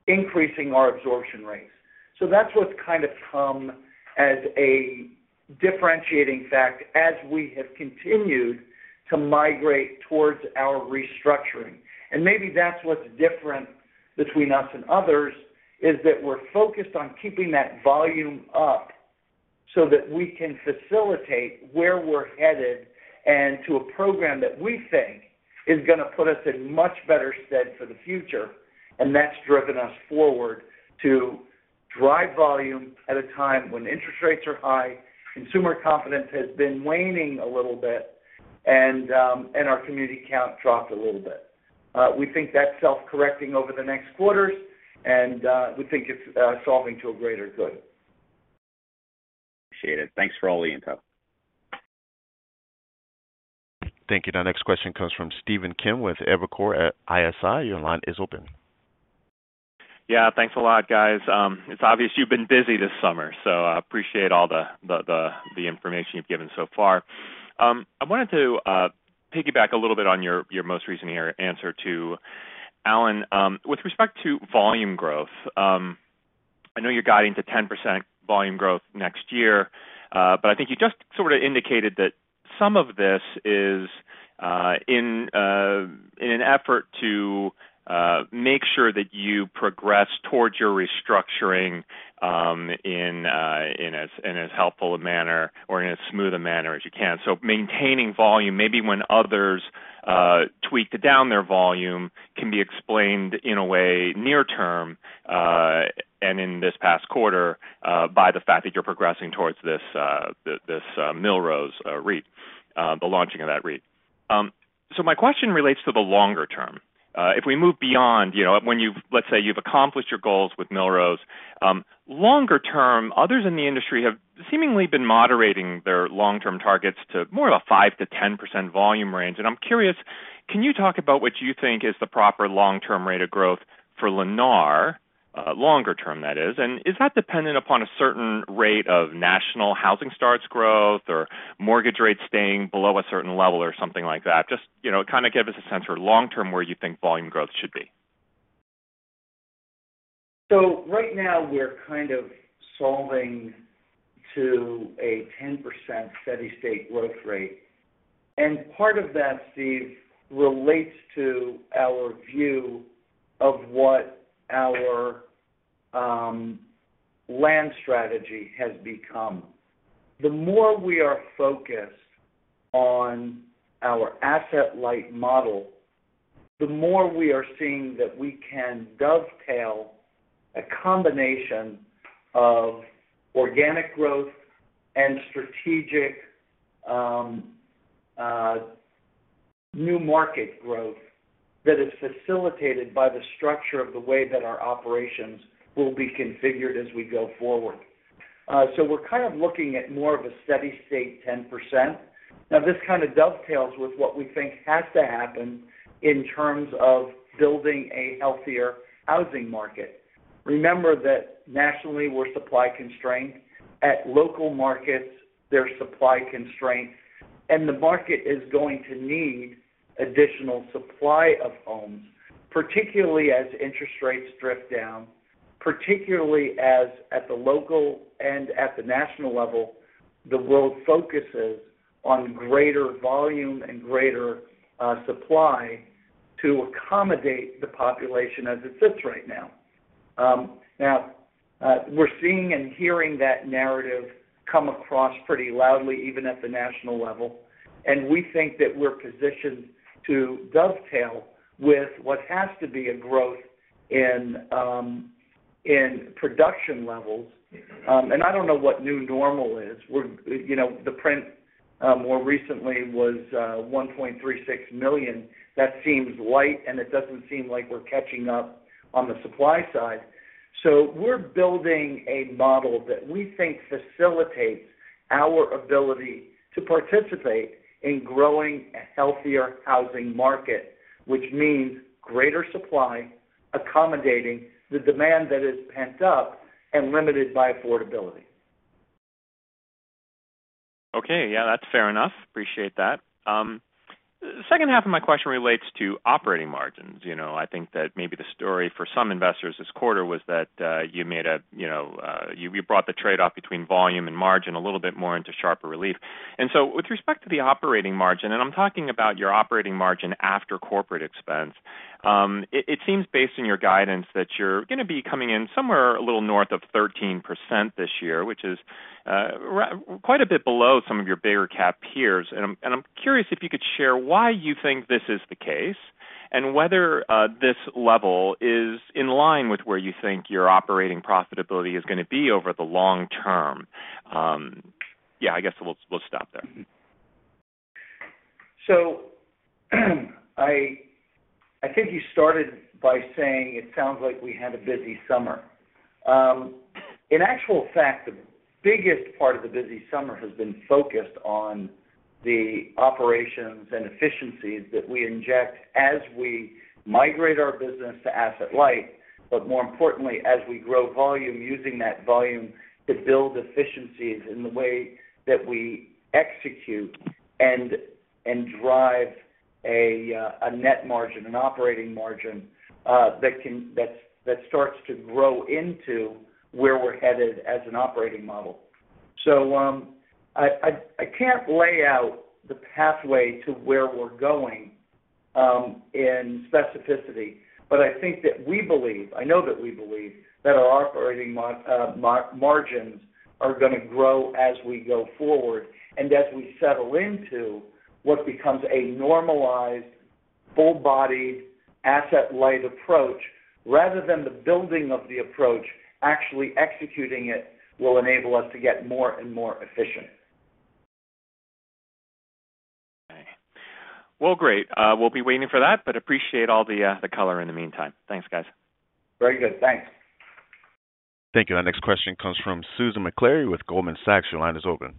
increasing our absorption rates, so that's what's kind of come as a differentiating factor as we have continued to migrate towards our restructuring. And maybe that's what's different between us and others, is that we're focused on keeping that volume up so that we can facilitate where we're headed, and to a program that we think is gonna put us in much better stead for the future. And that's driven us forward to drive volume at a time when interest rates are high, consumer confidence has been waning a little bit, and our community count dropped a little bit. We think that's self-correcting over the next quarters, and we think it's solving to a greater good. Appreciate it. Thanks for all the info. Thank you. Our next question comes from Stephen Kim with Evercore ISI. Your line is open. Yeah, thanks a lot, guys. It's obvious you've been busy this summer, so I appreciate all the information you've given so far. I wanted to piggyback a little bit on your most recent answer to Alan. With respect to volume growth, I know you're guiding to 10% volume growth next year, but I think you just sort of indicated that some of this is in an effort to make sure that you progress towards your restructuring in as helpful a manner or in as smooth a manner as you can. Maintaining volume, maybe when others tweaked down their volume, can be explained in a way near term and in this past quarter by the fact that you're progressing towards this Millrose REIT, the launching of that REIT. My question relates to the longer term. If we move beyond, you know, when you've-- let's say you've accomplished your goals with Millrose, longer term, others in the industry have seemingly been moderating their long-term targets to more of a 5%-10% volume range, and I'm curious, can you talk about what you think is the proper long-term rate of growth for Lennar, longer term, that is? And is that dependent upon a certain rate of national housing starts growth, or mortgage rates staying below a certain level, or something like that? Just, you know, kind of give us a sense for long term, where you think volume growth should be. So right now, we're kind of solving to a 10% steady state growth rate, and part of that, Steve, relates to our view of what our land strategy has become. The more we are focused on our asset-light model, the more we are seeing that we can dovetail a combination of organic growth and strategic new market growth that is facilitated by the structure of the way that our operations will be configured as we go forward. So we're kind of looking at more of a steady state, 10%. Now, this kind of dovetails with what we think has to happen in terms of building a healthier housing market. Remember that nationally, we're supply constrained. At local markets, there's supply constraints, and the market is going to need additional supply of homes, particularly as interest rates drift down, particularly as at the local and at the national level, the world focuses on greater volume and greater supply to accommodate the population as it sits right now. Now, we're seeing and hearing that narrative come across pretty loudly, even at the national level, and we think that we're positioned to dovetail with what has to be a growth in production levels, and I don't know what new normal is. We're, you know, the print more recently was 1.36 million. That seems light, and it doesn't seem like we're catching up on the supply side. We're building a model that we think facilitates our ability to participate in growing a healthier housing market, which means greater supply, accommodating the demand that is pent up and limited by affordability. Okay. Yeah, that's fair enough. Appreciate that. The second half of my question relates to operating margins. You know, I think that maybe the story for some investors this quarter was that you brought the trade-off between volume and margin a little bit more into sharper relief. And so with respect to the operating margin, and I'm talking about your operating margin after corporate expense, it seems, based on your guidance, that you're gonna be coming in somewhere a little north of 13% this year, which is quite a bit below some of your bigger cap peers. And I'm curious if you could share why you think this is the case, and whether this level is in line with where you think your operating profitability is gonna be over the long term. Yeah, I guess we'll stop there. So, I think you started by saying it sounds like we had a busy summer. In actual fact, the biggest part of the busy summer has been focused on the operations and efficiencies that we inject as we migrate our business to asset-light, but more importantly, as we grow volume, using that volume to build efficiencies in the way that we execute and drive a net margin, an operating margin, that starts to grow into where we're headed as an operating model. So, I can't lay out the pathway to where we're going in specificity, but I think that we believe, I know that we believe that our operating margins are gonna grow as we go forward. As we settle into what becomes a normalized, full-bodied asset-light approach, rather than the building of the approach, actually executing it will enable us to get more and more efficient. Okay. Well, great. We'll be waiting for that, but appreciate all the color in the meantime. Thanks, guys. Very good. Thanks. Thank you. Our next question comes from Susan Maklari with Goldman Sachs. Your line is open.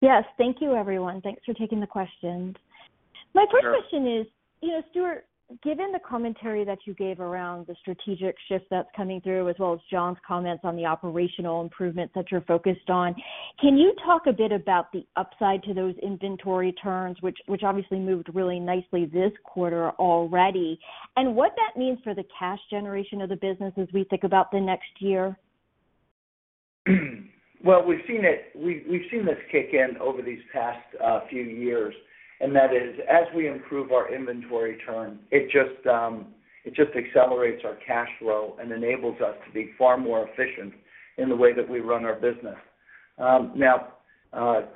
Yes. Thank you, everyone. Thanks for taking the questions. Sure. My first question is, you know, Stuart, given the commentary that you gave around the strategic shift that's coming through, as well as Jon's comments on the operational improvements that you're focused on, can you talk a bit about the upside to those inventory turns, which obviously moved really nicely this quarter already, and what that means for the cash generation of the business as we think about the next year? Well, we've seen it, we've seen this kick in over these past few years, and that is, as we improve our inventory turn, it just accelerates our cash flow and enables us to be far more efficient in the way that we run our business. Now,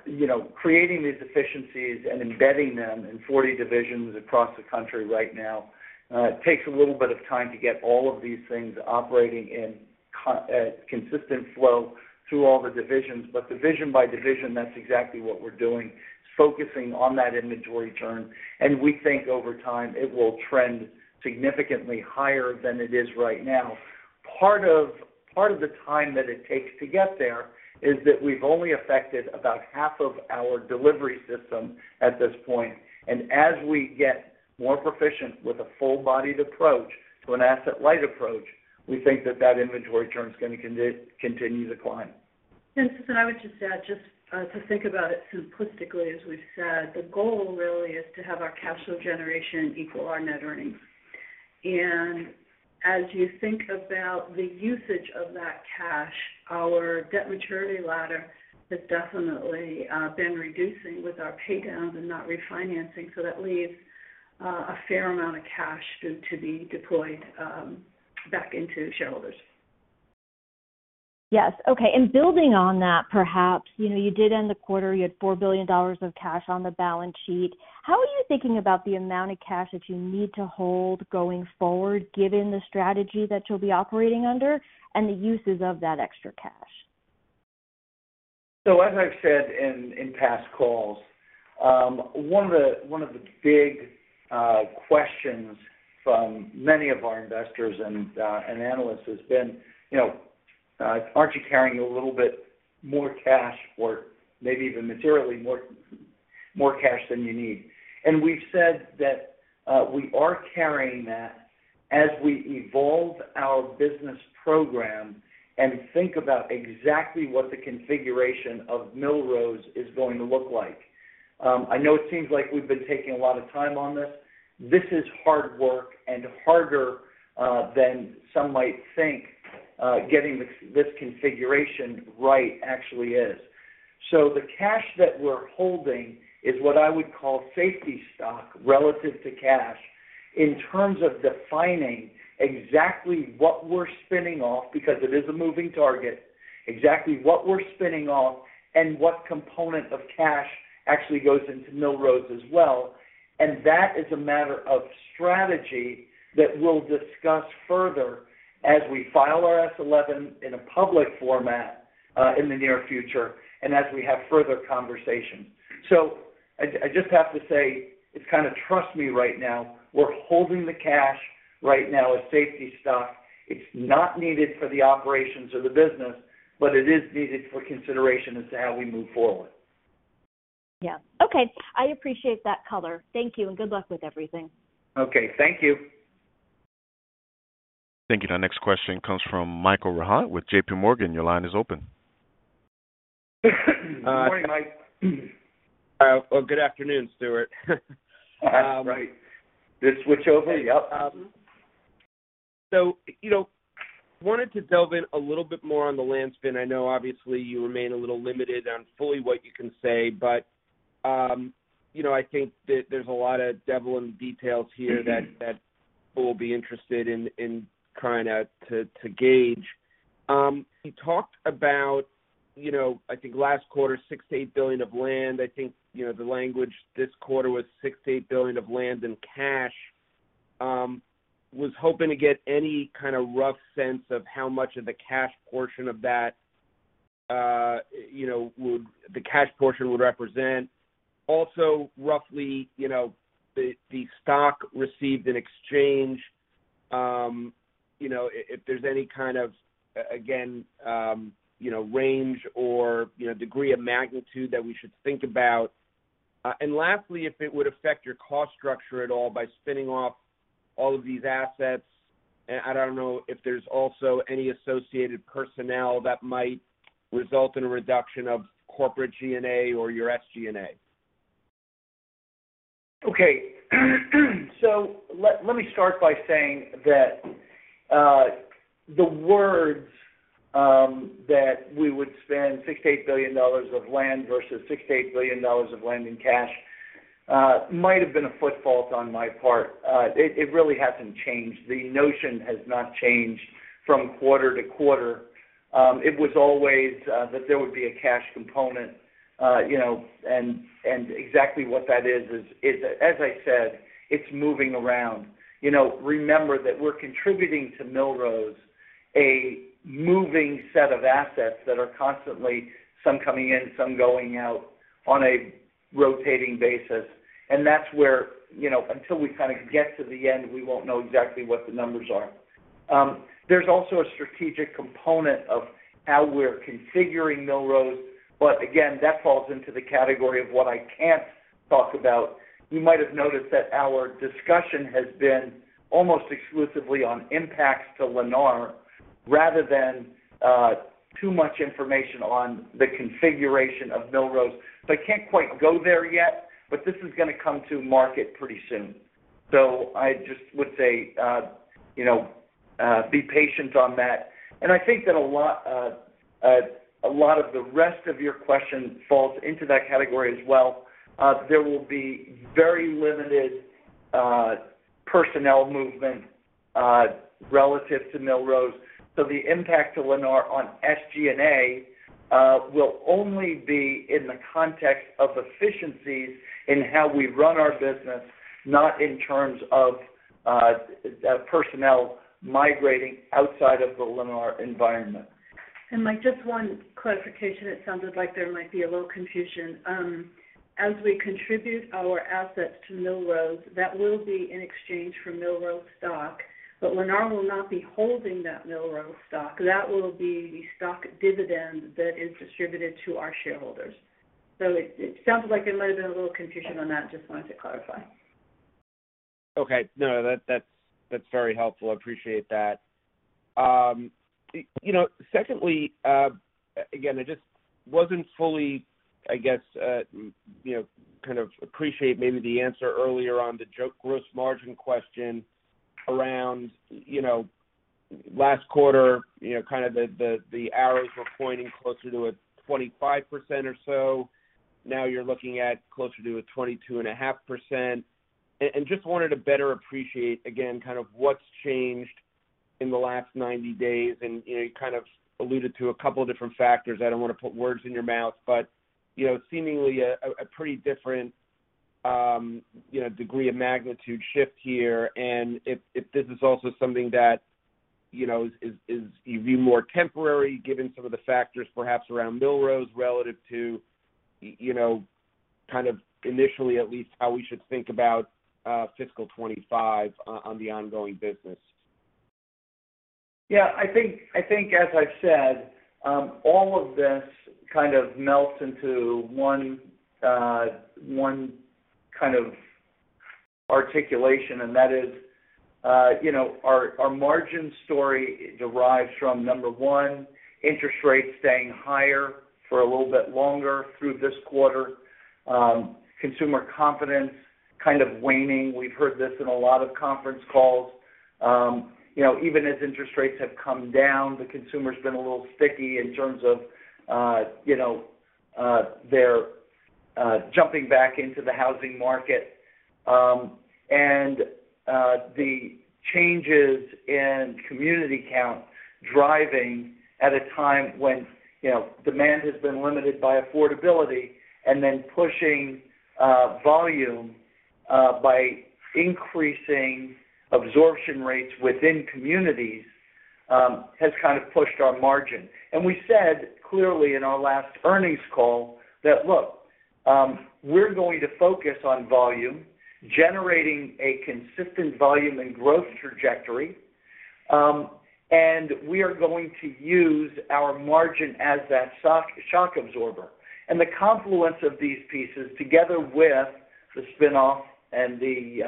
you know, creating these efficiencies and embedding them in 40 divisions across the country right now takes a little bit of time to get all of these things operating in consistent flow through all the divisions. But division by division, that's exactly what we're doing, focusing on that inventory turn, and we think over time, it will trend significantly higher than it is right now. Part of the time that it takes to get there is that we've only affected about half of our delivery system at this point. As we get more proficient with a full-bodied approach to an asset-light approach, we think that that inventory turn is gonna continue to climb. And Susan, I would just add, just to think about it simplistically, as we've said, the goal really is to have our cash flow generation equal our net earnings. And as you think about the usage of that cash, our debt maturity ladder has definitely been reducing with our pay downs and not refinancing, so that leaves a fair amount of cash to be deployed back into shareholders. Yes. Okay, and building on that, perhaps, you know, you did end the quarter, you had $4 billion of cash on the balance sheet. How are you thinking about the amount of cash that you need to hold going forward, given the strategy that you'll be operating under and the uses of that extra cash? So as I've said in past calls, one of the big questions from many of our investors and analysts has been, you know, aren't you carrying a little bit more cash or maybe even materially more cash than you need? And we've said that we are carrying that as we evolve our business program and think about exactly what the configuration of Millrose is going to look like. I know it seems like we've been taking a lot of time on this. This is hard work and harder than some might think, getting this configuration right actually is. So the cash that we're holding is what I would call safety stock relative to cash, in terms of defining exactly what we're spinning off, because it is a moving target, exactly what we're spinning off, and what component of cash actually goes into Millrose as well. And that is a matter of strategy that we'll discuss further as we file our S-11 in a public format, in the near future, and as we have further conversations. So I just have to say, it's kind of trust me right now. We're holding the cash right now as safety stock. It's not needed for the operations or the business, but it is needed for consideration as to how we move forward. Yeah. Okay. I appreciate that color. Thank you, and good luck with everything. Okay, thank you. Thank you. Our next question comes from Michael Rehaut with JPMorgan. Your line is open. Good morning, Mike. Well, good afternoon, Stuart. That's right. Did it switch over? Yep. So, you know, wanted to delve in a little bit more on the land spin. I know obviously you remain a little limited on fully what you can say, but, you know, I think that there's a lot of devil in the details here that we'll be interested in trying to gauge. You talked about, you know, I think last quarter, $6 billion-$8 billion of land. I think, you know, the language this quarter was $6 billion-$8 billion of land and cash. Was hoping to get any kind of rough sense of how much of the cash portion of that, you know, would represent. Also, roughly, you know, the stock received in exchange, you know, if there's any kind of, again, you know, range or, you know, degree of magnitude that we should think about, and lastly, if it would affect your cost structure at all by spinning off all of these assets, and I don't know if there's also any associated personnel that might result in a reduction of corporate G&A or your SG&A. Okay. Let me start by saying that the words that we would spend $6 billion-$8 billion of land versus $6 billion-$8 billion of land and cash might have been a foot fault on my part. It really hasn't changed. The notion has not changed from quarter to quarter. It was always that there would be a cash component, you know, and exactly what that is, is, as I said, it's moving around. You know, remember that we're contributing to Millrose, a moving set of assets that are constantly some coming in, some going out on a rotating basis. And that's where, you know, until we kind of get to the end, we won't know exactly what the numbers are. There's also a strategic component of how we're configuring Millrose, but again, that falls into the category of what I can't talk about. You might have noticed that our discussion has been almost exclusively on impacts to Lennar rather than too much information on the configuration of Millrose. So I can't quite go there yet, but this is gonna come to market pretty soon. So I just would say, you know, be patient on that. And I think that a lot of the rest of your question falls into that category as well. There will be very limited personnel movement relative to Millrose. So the impact to Lennar on SG&A will only be in the context of efficiencies in how we run our business, not in terms of personnel migrating outside of the Lennar environment. And Mike, just one clarification. It sounded like there might be a little confusion. As we contribute our assets to Millrose, that will be in exchange for Millrose stock, but Lennar will not be holding that Millrose stock. That will be stock dividend that is distributed to our shareholders. So it sounds like there might have been a little confusion on that. Just wanted to clarify. Okay. No, that, that's very helpful. I appreciate that. You know, secondly, again, I just wasn't fully, I guess, you know, kind of appreciate maybe the answer earlier on the gross margin question around, you know, last quarter, you know, kind of the arrows were pointing closer to a 25% or so. Now you're looking at closer to a 22.5%. And just wanted to better appreciate, again, kind of what's changed in the last 90 days, and you know, you kind of alluded to a couple different factors. I don't wanna put words in your mouth, but you know, seemingly a pretty different, you know, degree of magnitude shift here. And if this is also something that, you know, is your view more temporary, given some of the factors perhaps around Millrose relative to, you know, kind of initially at least, how we should think about fiscal 2025 on the ongoing business? Yeah, I think as I've said, all of this kind of melts into one kind of articulation, and that is, you know, our margin story derives from, number one, interest rates staying higher for a little bit longer through this quarter, consumer confidence kind of waning. We've heard this in a lot of conference calls. You know, even as interest rates have come down, the consumer's been a little sticky in terms of, you know, their jumping back into the housing market. And the changes in community count driving at a time when, you know, demand has been limited by affordability, and then pushing volume by increasing absorption rates within communities has kind of pushed our margin. And we said, clearly in our last earnings call, that look, we're going to focus on volume, generating a consistent volume and growth trajectory, and we are going to use our margin as that shock absorber. And the confluence of these pieces, together with the spin-off and the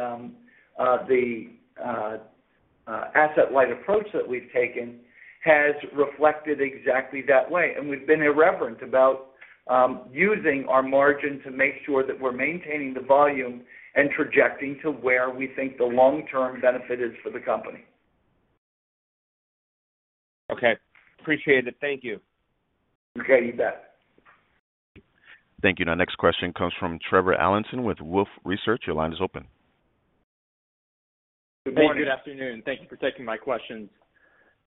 asset-light approach that we've taken, has reflected exactly that way. And we've been irreverent about using our margin to make sure that we're maintaining the volume and trajecting to where we think the long-term benefit is for the company. Okay. Appreciate it. Thank you. Okay, you bet. Thank you. Our next question comes from Trevor Allinson with Wolfe Research. Your line is open. Good morning, good afternoon. Thank you for taking my questions.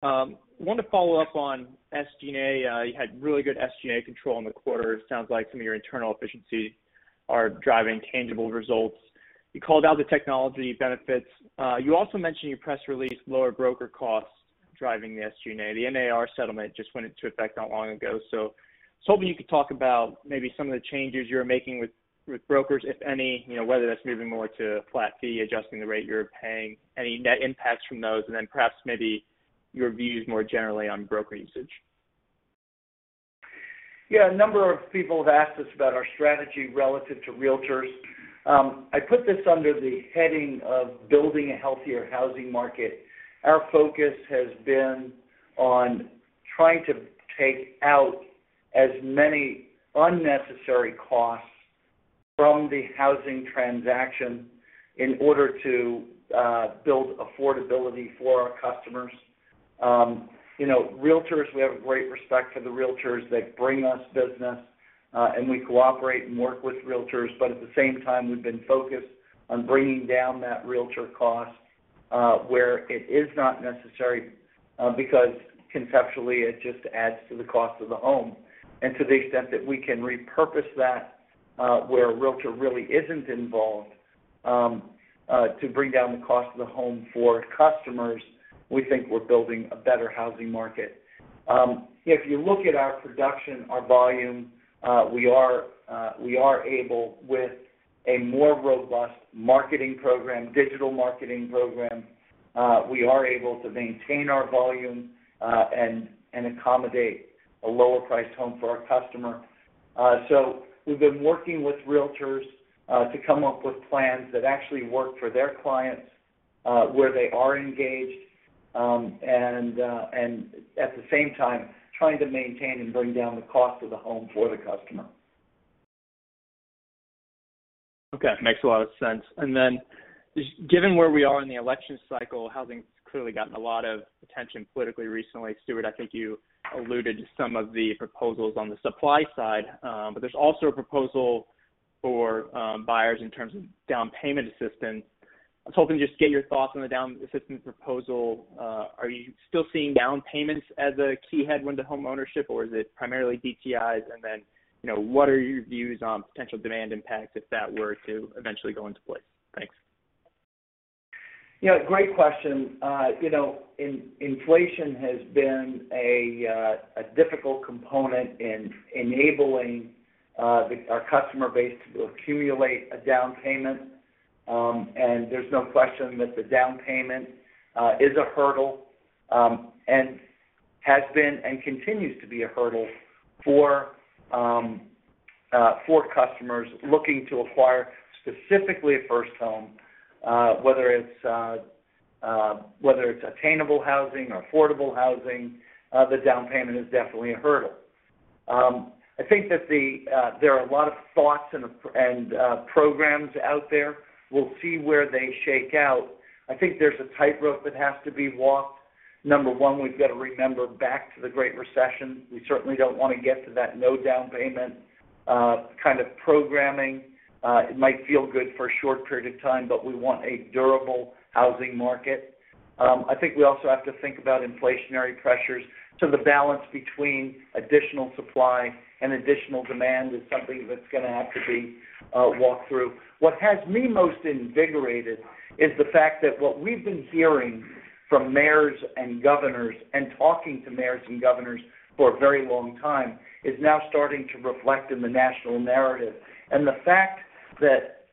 Wanted to follow up on SG&A. You had really good SG&A control in the quarter. It sounds like some of your internal efficiency are driving tangible results. You called out the technology benefits. You also mentioned in your press release, lower broker costs driving the SG&A. The NAR settlement just went into effect not long ago, so was hoping you could talk about maybe some of the changes you're making with brokers, if any, you know, whether that's moving more to flat fee, adjusting the rate you're paying, any net impacts from those, and then perhaps maybe your views more generally on broker usage. Yeah, a number of people have asked us about our strategy relative to realtors. I put this under the heading of building a healthier housing market. Our focus has been on trying to take out as many unnecessary costs from the housing transaction in order to build affordability for our customers. You know, realtors, we have a great respect for the realtors. They bring us business and we cooperate and work with realtors, but at the same time, we've been focused on bringing down that realtor cost where it is not necessary because conceptually, it just adds to the cost of the home, and to the extent that we can repurpose that where a realtor really isn't involved to bring down the cost of the home for customers, we think we're building a better housing market. If you look at our production, our volume, we are able with a more robust marketing program, digital marketing program, to maintain our volume and accommodate a lower-priced home for our customer, so we've been working with realtors to come up with plans that actually work for their clients, where they are engaged, and at the same time, trying to maintain and bring down the cost of the home for the customer. Okay, makes a lot of sense. And then, just given where we are in the election cycle, housing's clearly gotten a lot of attention politically recently. Stuart, I think you alluded to some of the proposals on the supply side, but there's also a proposal for, buyers in terms of down payment assistance. I was hoping to just get your thoughts on the down assistance proposal. Are you still seeing down payments as a key headwind to homeownership, or is it primarily DTIs? And then, you know, what are your views on potential demand impacts if that were to eventually go into place? Thanks. Yeah, great question. You know, inflation has been a difficult component in enabling our customer base to accumulate a down payment, and there's no question that the down payment is a hurdle and has been and continues to be a hurdle for customers looking to acquire specifically a first home, whether it's attainable housing or affordable housing. The down payment is definitely a hurdle. I think that there are a lot of thoughts and programs out there. We'll see where they shake out. I think there's a tightrope that has to be walked. Number one, we've got to remember back to the Great Recession. We certainly don't want to get to that no down payment kind of programming. It might feel good for a short period of time, but we want a durable housing market. I think we also have to think about inflationary pressures. So the balance between additional supply and additional demand is something that's gonna have to be walked through. What has me most invigorated is the fact that what we've been hearing from mayors and governors, and talking to mayors and governors for a very long time, is now starting to reflect in the national narrative. And the fact that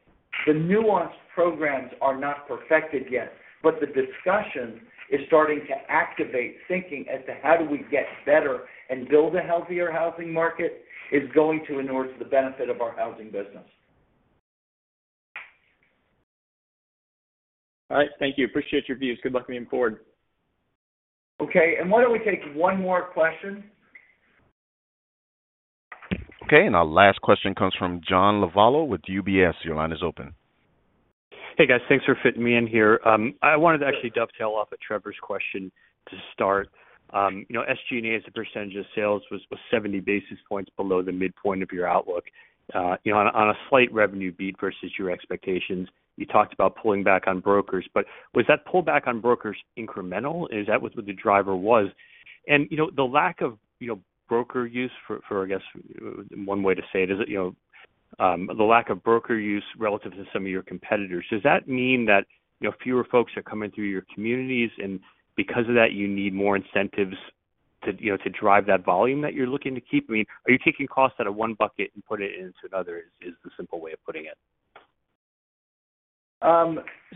the nuanced programs are not perfected yet, but the discussion is starting to activate thinking as to how do we get better and build a healthier housing market, is going to inure to the benefit of our housing business. All right. Thank you. Appreciate your views. Good luck moving forward. Okay, and why don't we take one more question? Okay, and our last question comes from John Lovallo with UBS. Your line is open. Hey, guys. Thanks for fitting me in here. I wanted to actually dovetail off of Trevor's question to start. You know, SG&A, as a percentage of sales, was 70 basis points below the midpoint of your outlook. You know, on a slight revenue beat versus your expectations, you talked about pulling back on brokers, but was that pullback on brokers incremental? Is that what the driver was? You know, the lack of broker use for, I guess, one way to say it is, you know, the lack of broker use relative to some of your competitors. Does that mean that, you know, fewer folks are coming through your communities, and because of that, you need more incentives to, you know, to drive that volume that you're looking to keep? I mean, are you taking costs out of one bucket and put it into another, is the simple way of putting it?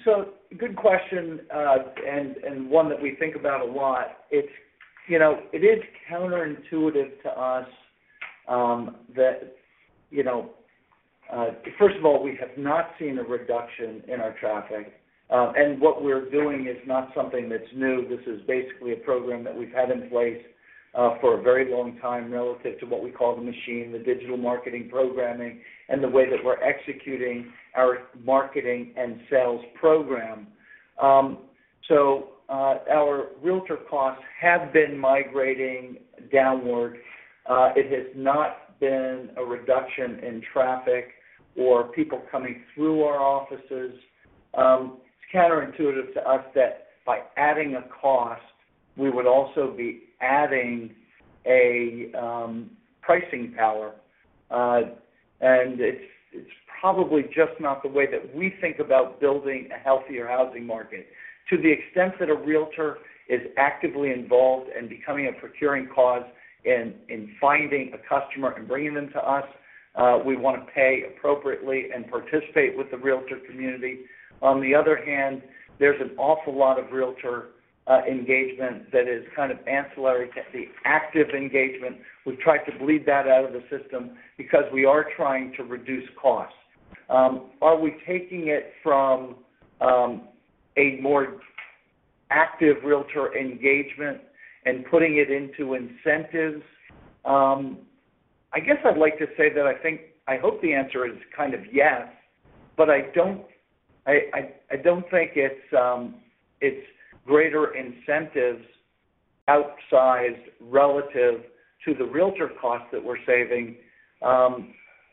So good question, and one that we think about a lot. It's, you know, it is counterintuitive to us, that, you know. First of all, we have not seen a reduction in our traffic, and what we're doing is not something that's new. This is basically a program that we've had in place, for a very long time, relative to what we call The Machine, the digital marketing programming, and the way that we're executing our marketing and sales program. So, our realtor costs have been migrating downward. It has not been a reduction in traffic or people coming through our offices. It's counterintuitive to us that by adding a cost, we would also be adding a, pricing power, and it's probably just not the way that we think about building a healthier housing market. To the extent that a realtor is actively involved in becoming a procuring cause in finding a customer and bringing them to us, we wanna pay appropriately and participate with the realtor community. On the other hand, there's an awful lot of realtor engagement that is kind of ancillary to the active engagement. We've tried to bleed that out of the system because we are trying to reduce costs. Are we taking it from a more active realtor engagement and putting it into incentives? I guess I'd like to say that I think, I hope the answer is kind of yes, but I don't think it's greater incentives outsized relative to the realtor costs that we're saving.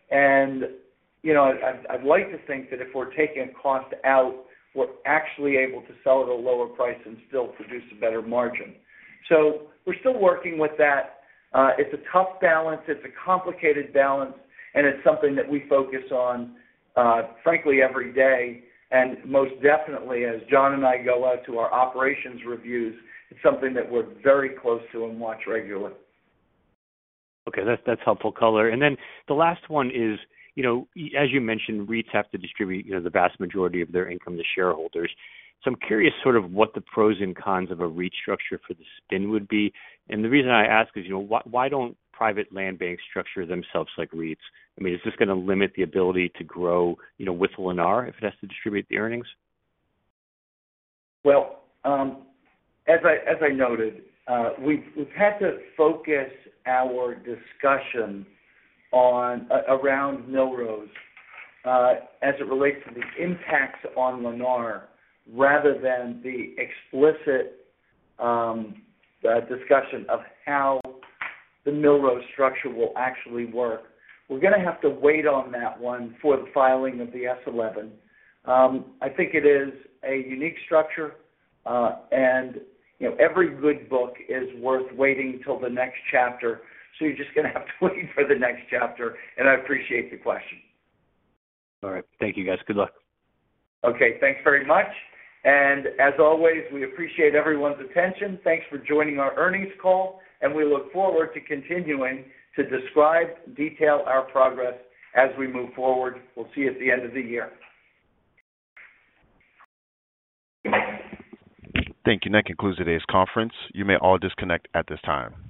And, you know, I'd like to think that if we're taking a cost out, we're actually able to sell at a lower price and still produce a better margin. So we're still working with that. It's a tough balance, it's a complicated balance, and it's something that we focus on, frankly, every day. And most definitely, as Jon and I go out to our operations reviews, it's something that we're very close to and watch regularly. Okay, that's, that's helpful color. And then the last one is, you know, as you mentioned, REITs have to distribute, you know, the vast majority of their income to shareholders. So I'm curious sort of what the pros and cons of a REIT structure for the spin would be. And the reason I ask is, you know, why, why don't private land banks structure themselves like REITs? I mean, is this gonna limit the ability to grow, you know, with Lennar, if it has to distribute the earnings? As I noted, we've had to focus our discussion around Millrose, as it relates to the impacts on Lennar, rather than the explicit discussion of how the Millrose structure will actually work. We're gonna have to wait on that one for the filing of the S-11. I think it is a unique structure, and, you know, every good book is worth waiting till the next chapter, so you're just gonna have to wait for the next chapter, and I appreciate the question. All right. Thank you, guys. Good luck. Okay, thanks very much. And as always, we appreciate everyone's attention. Thanks for joining our earnings call, and we look forward to continuing to describe and detail our progress as we move forward. We'll see you at the end of the year. Thank you. And that concludes today's conference. You may all disconnect at this time.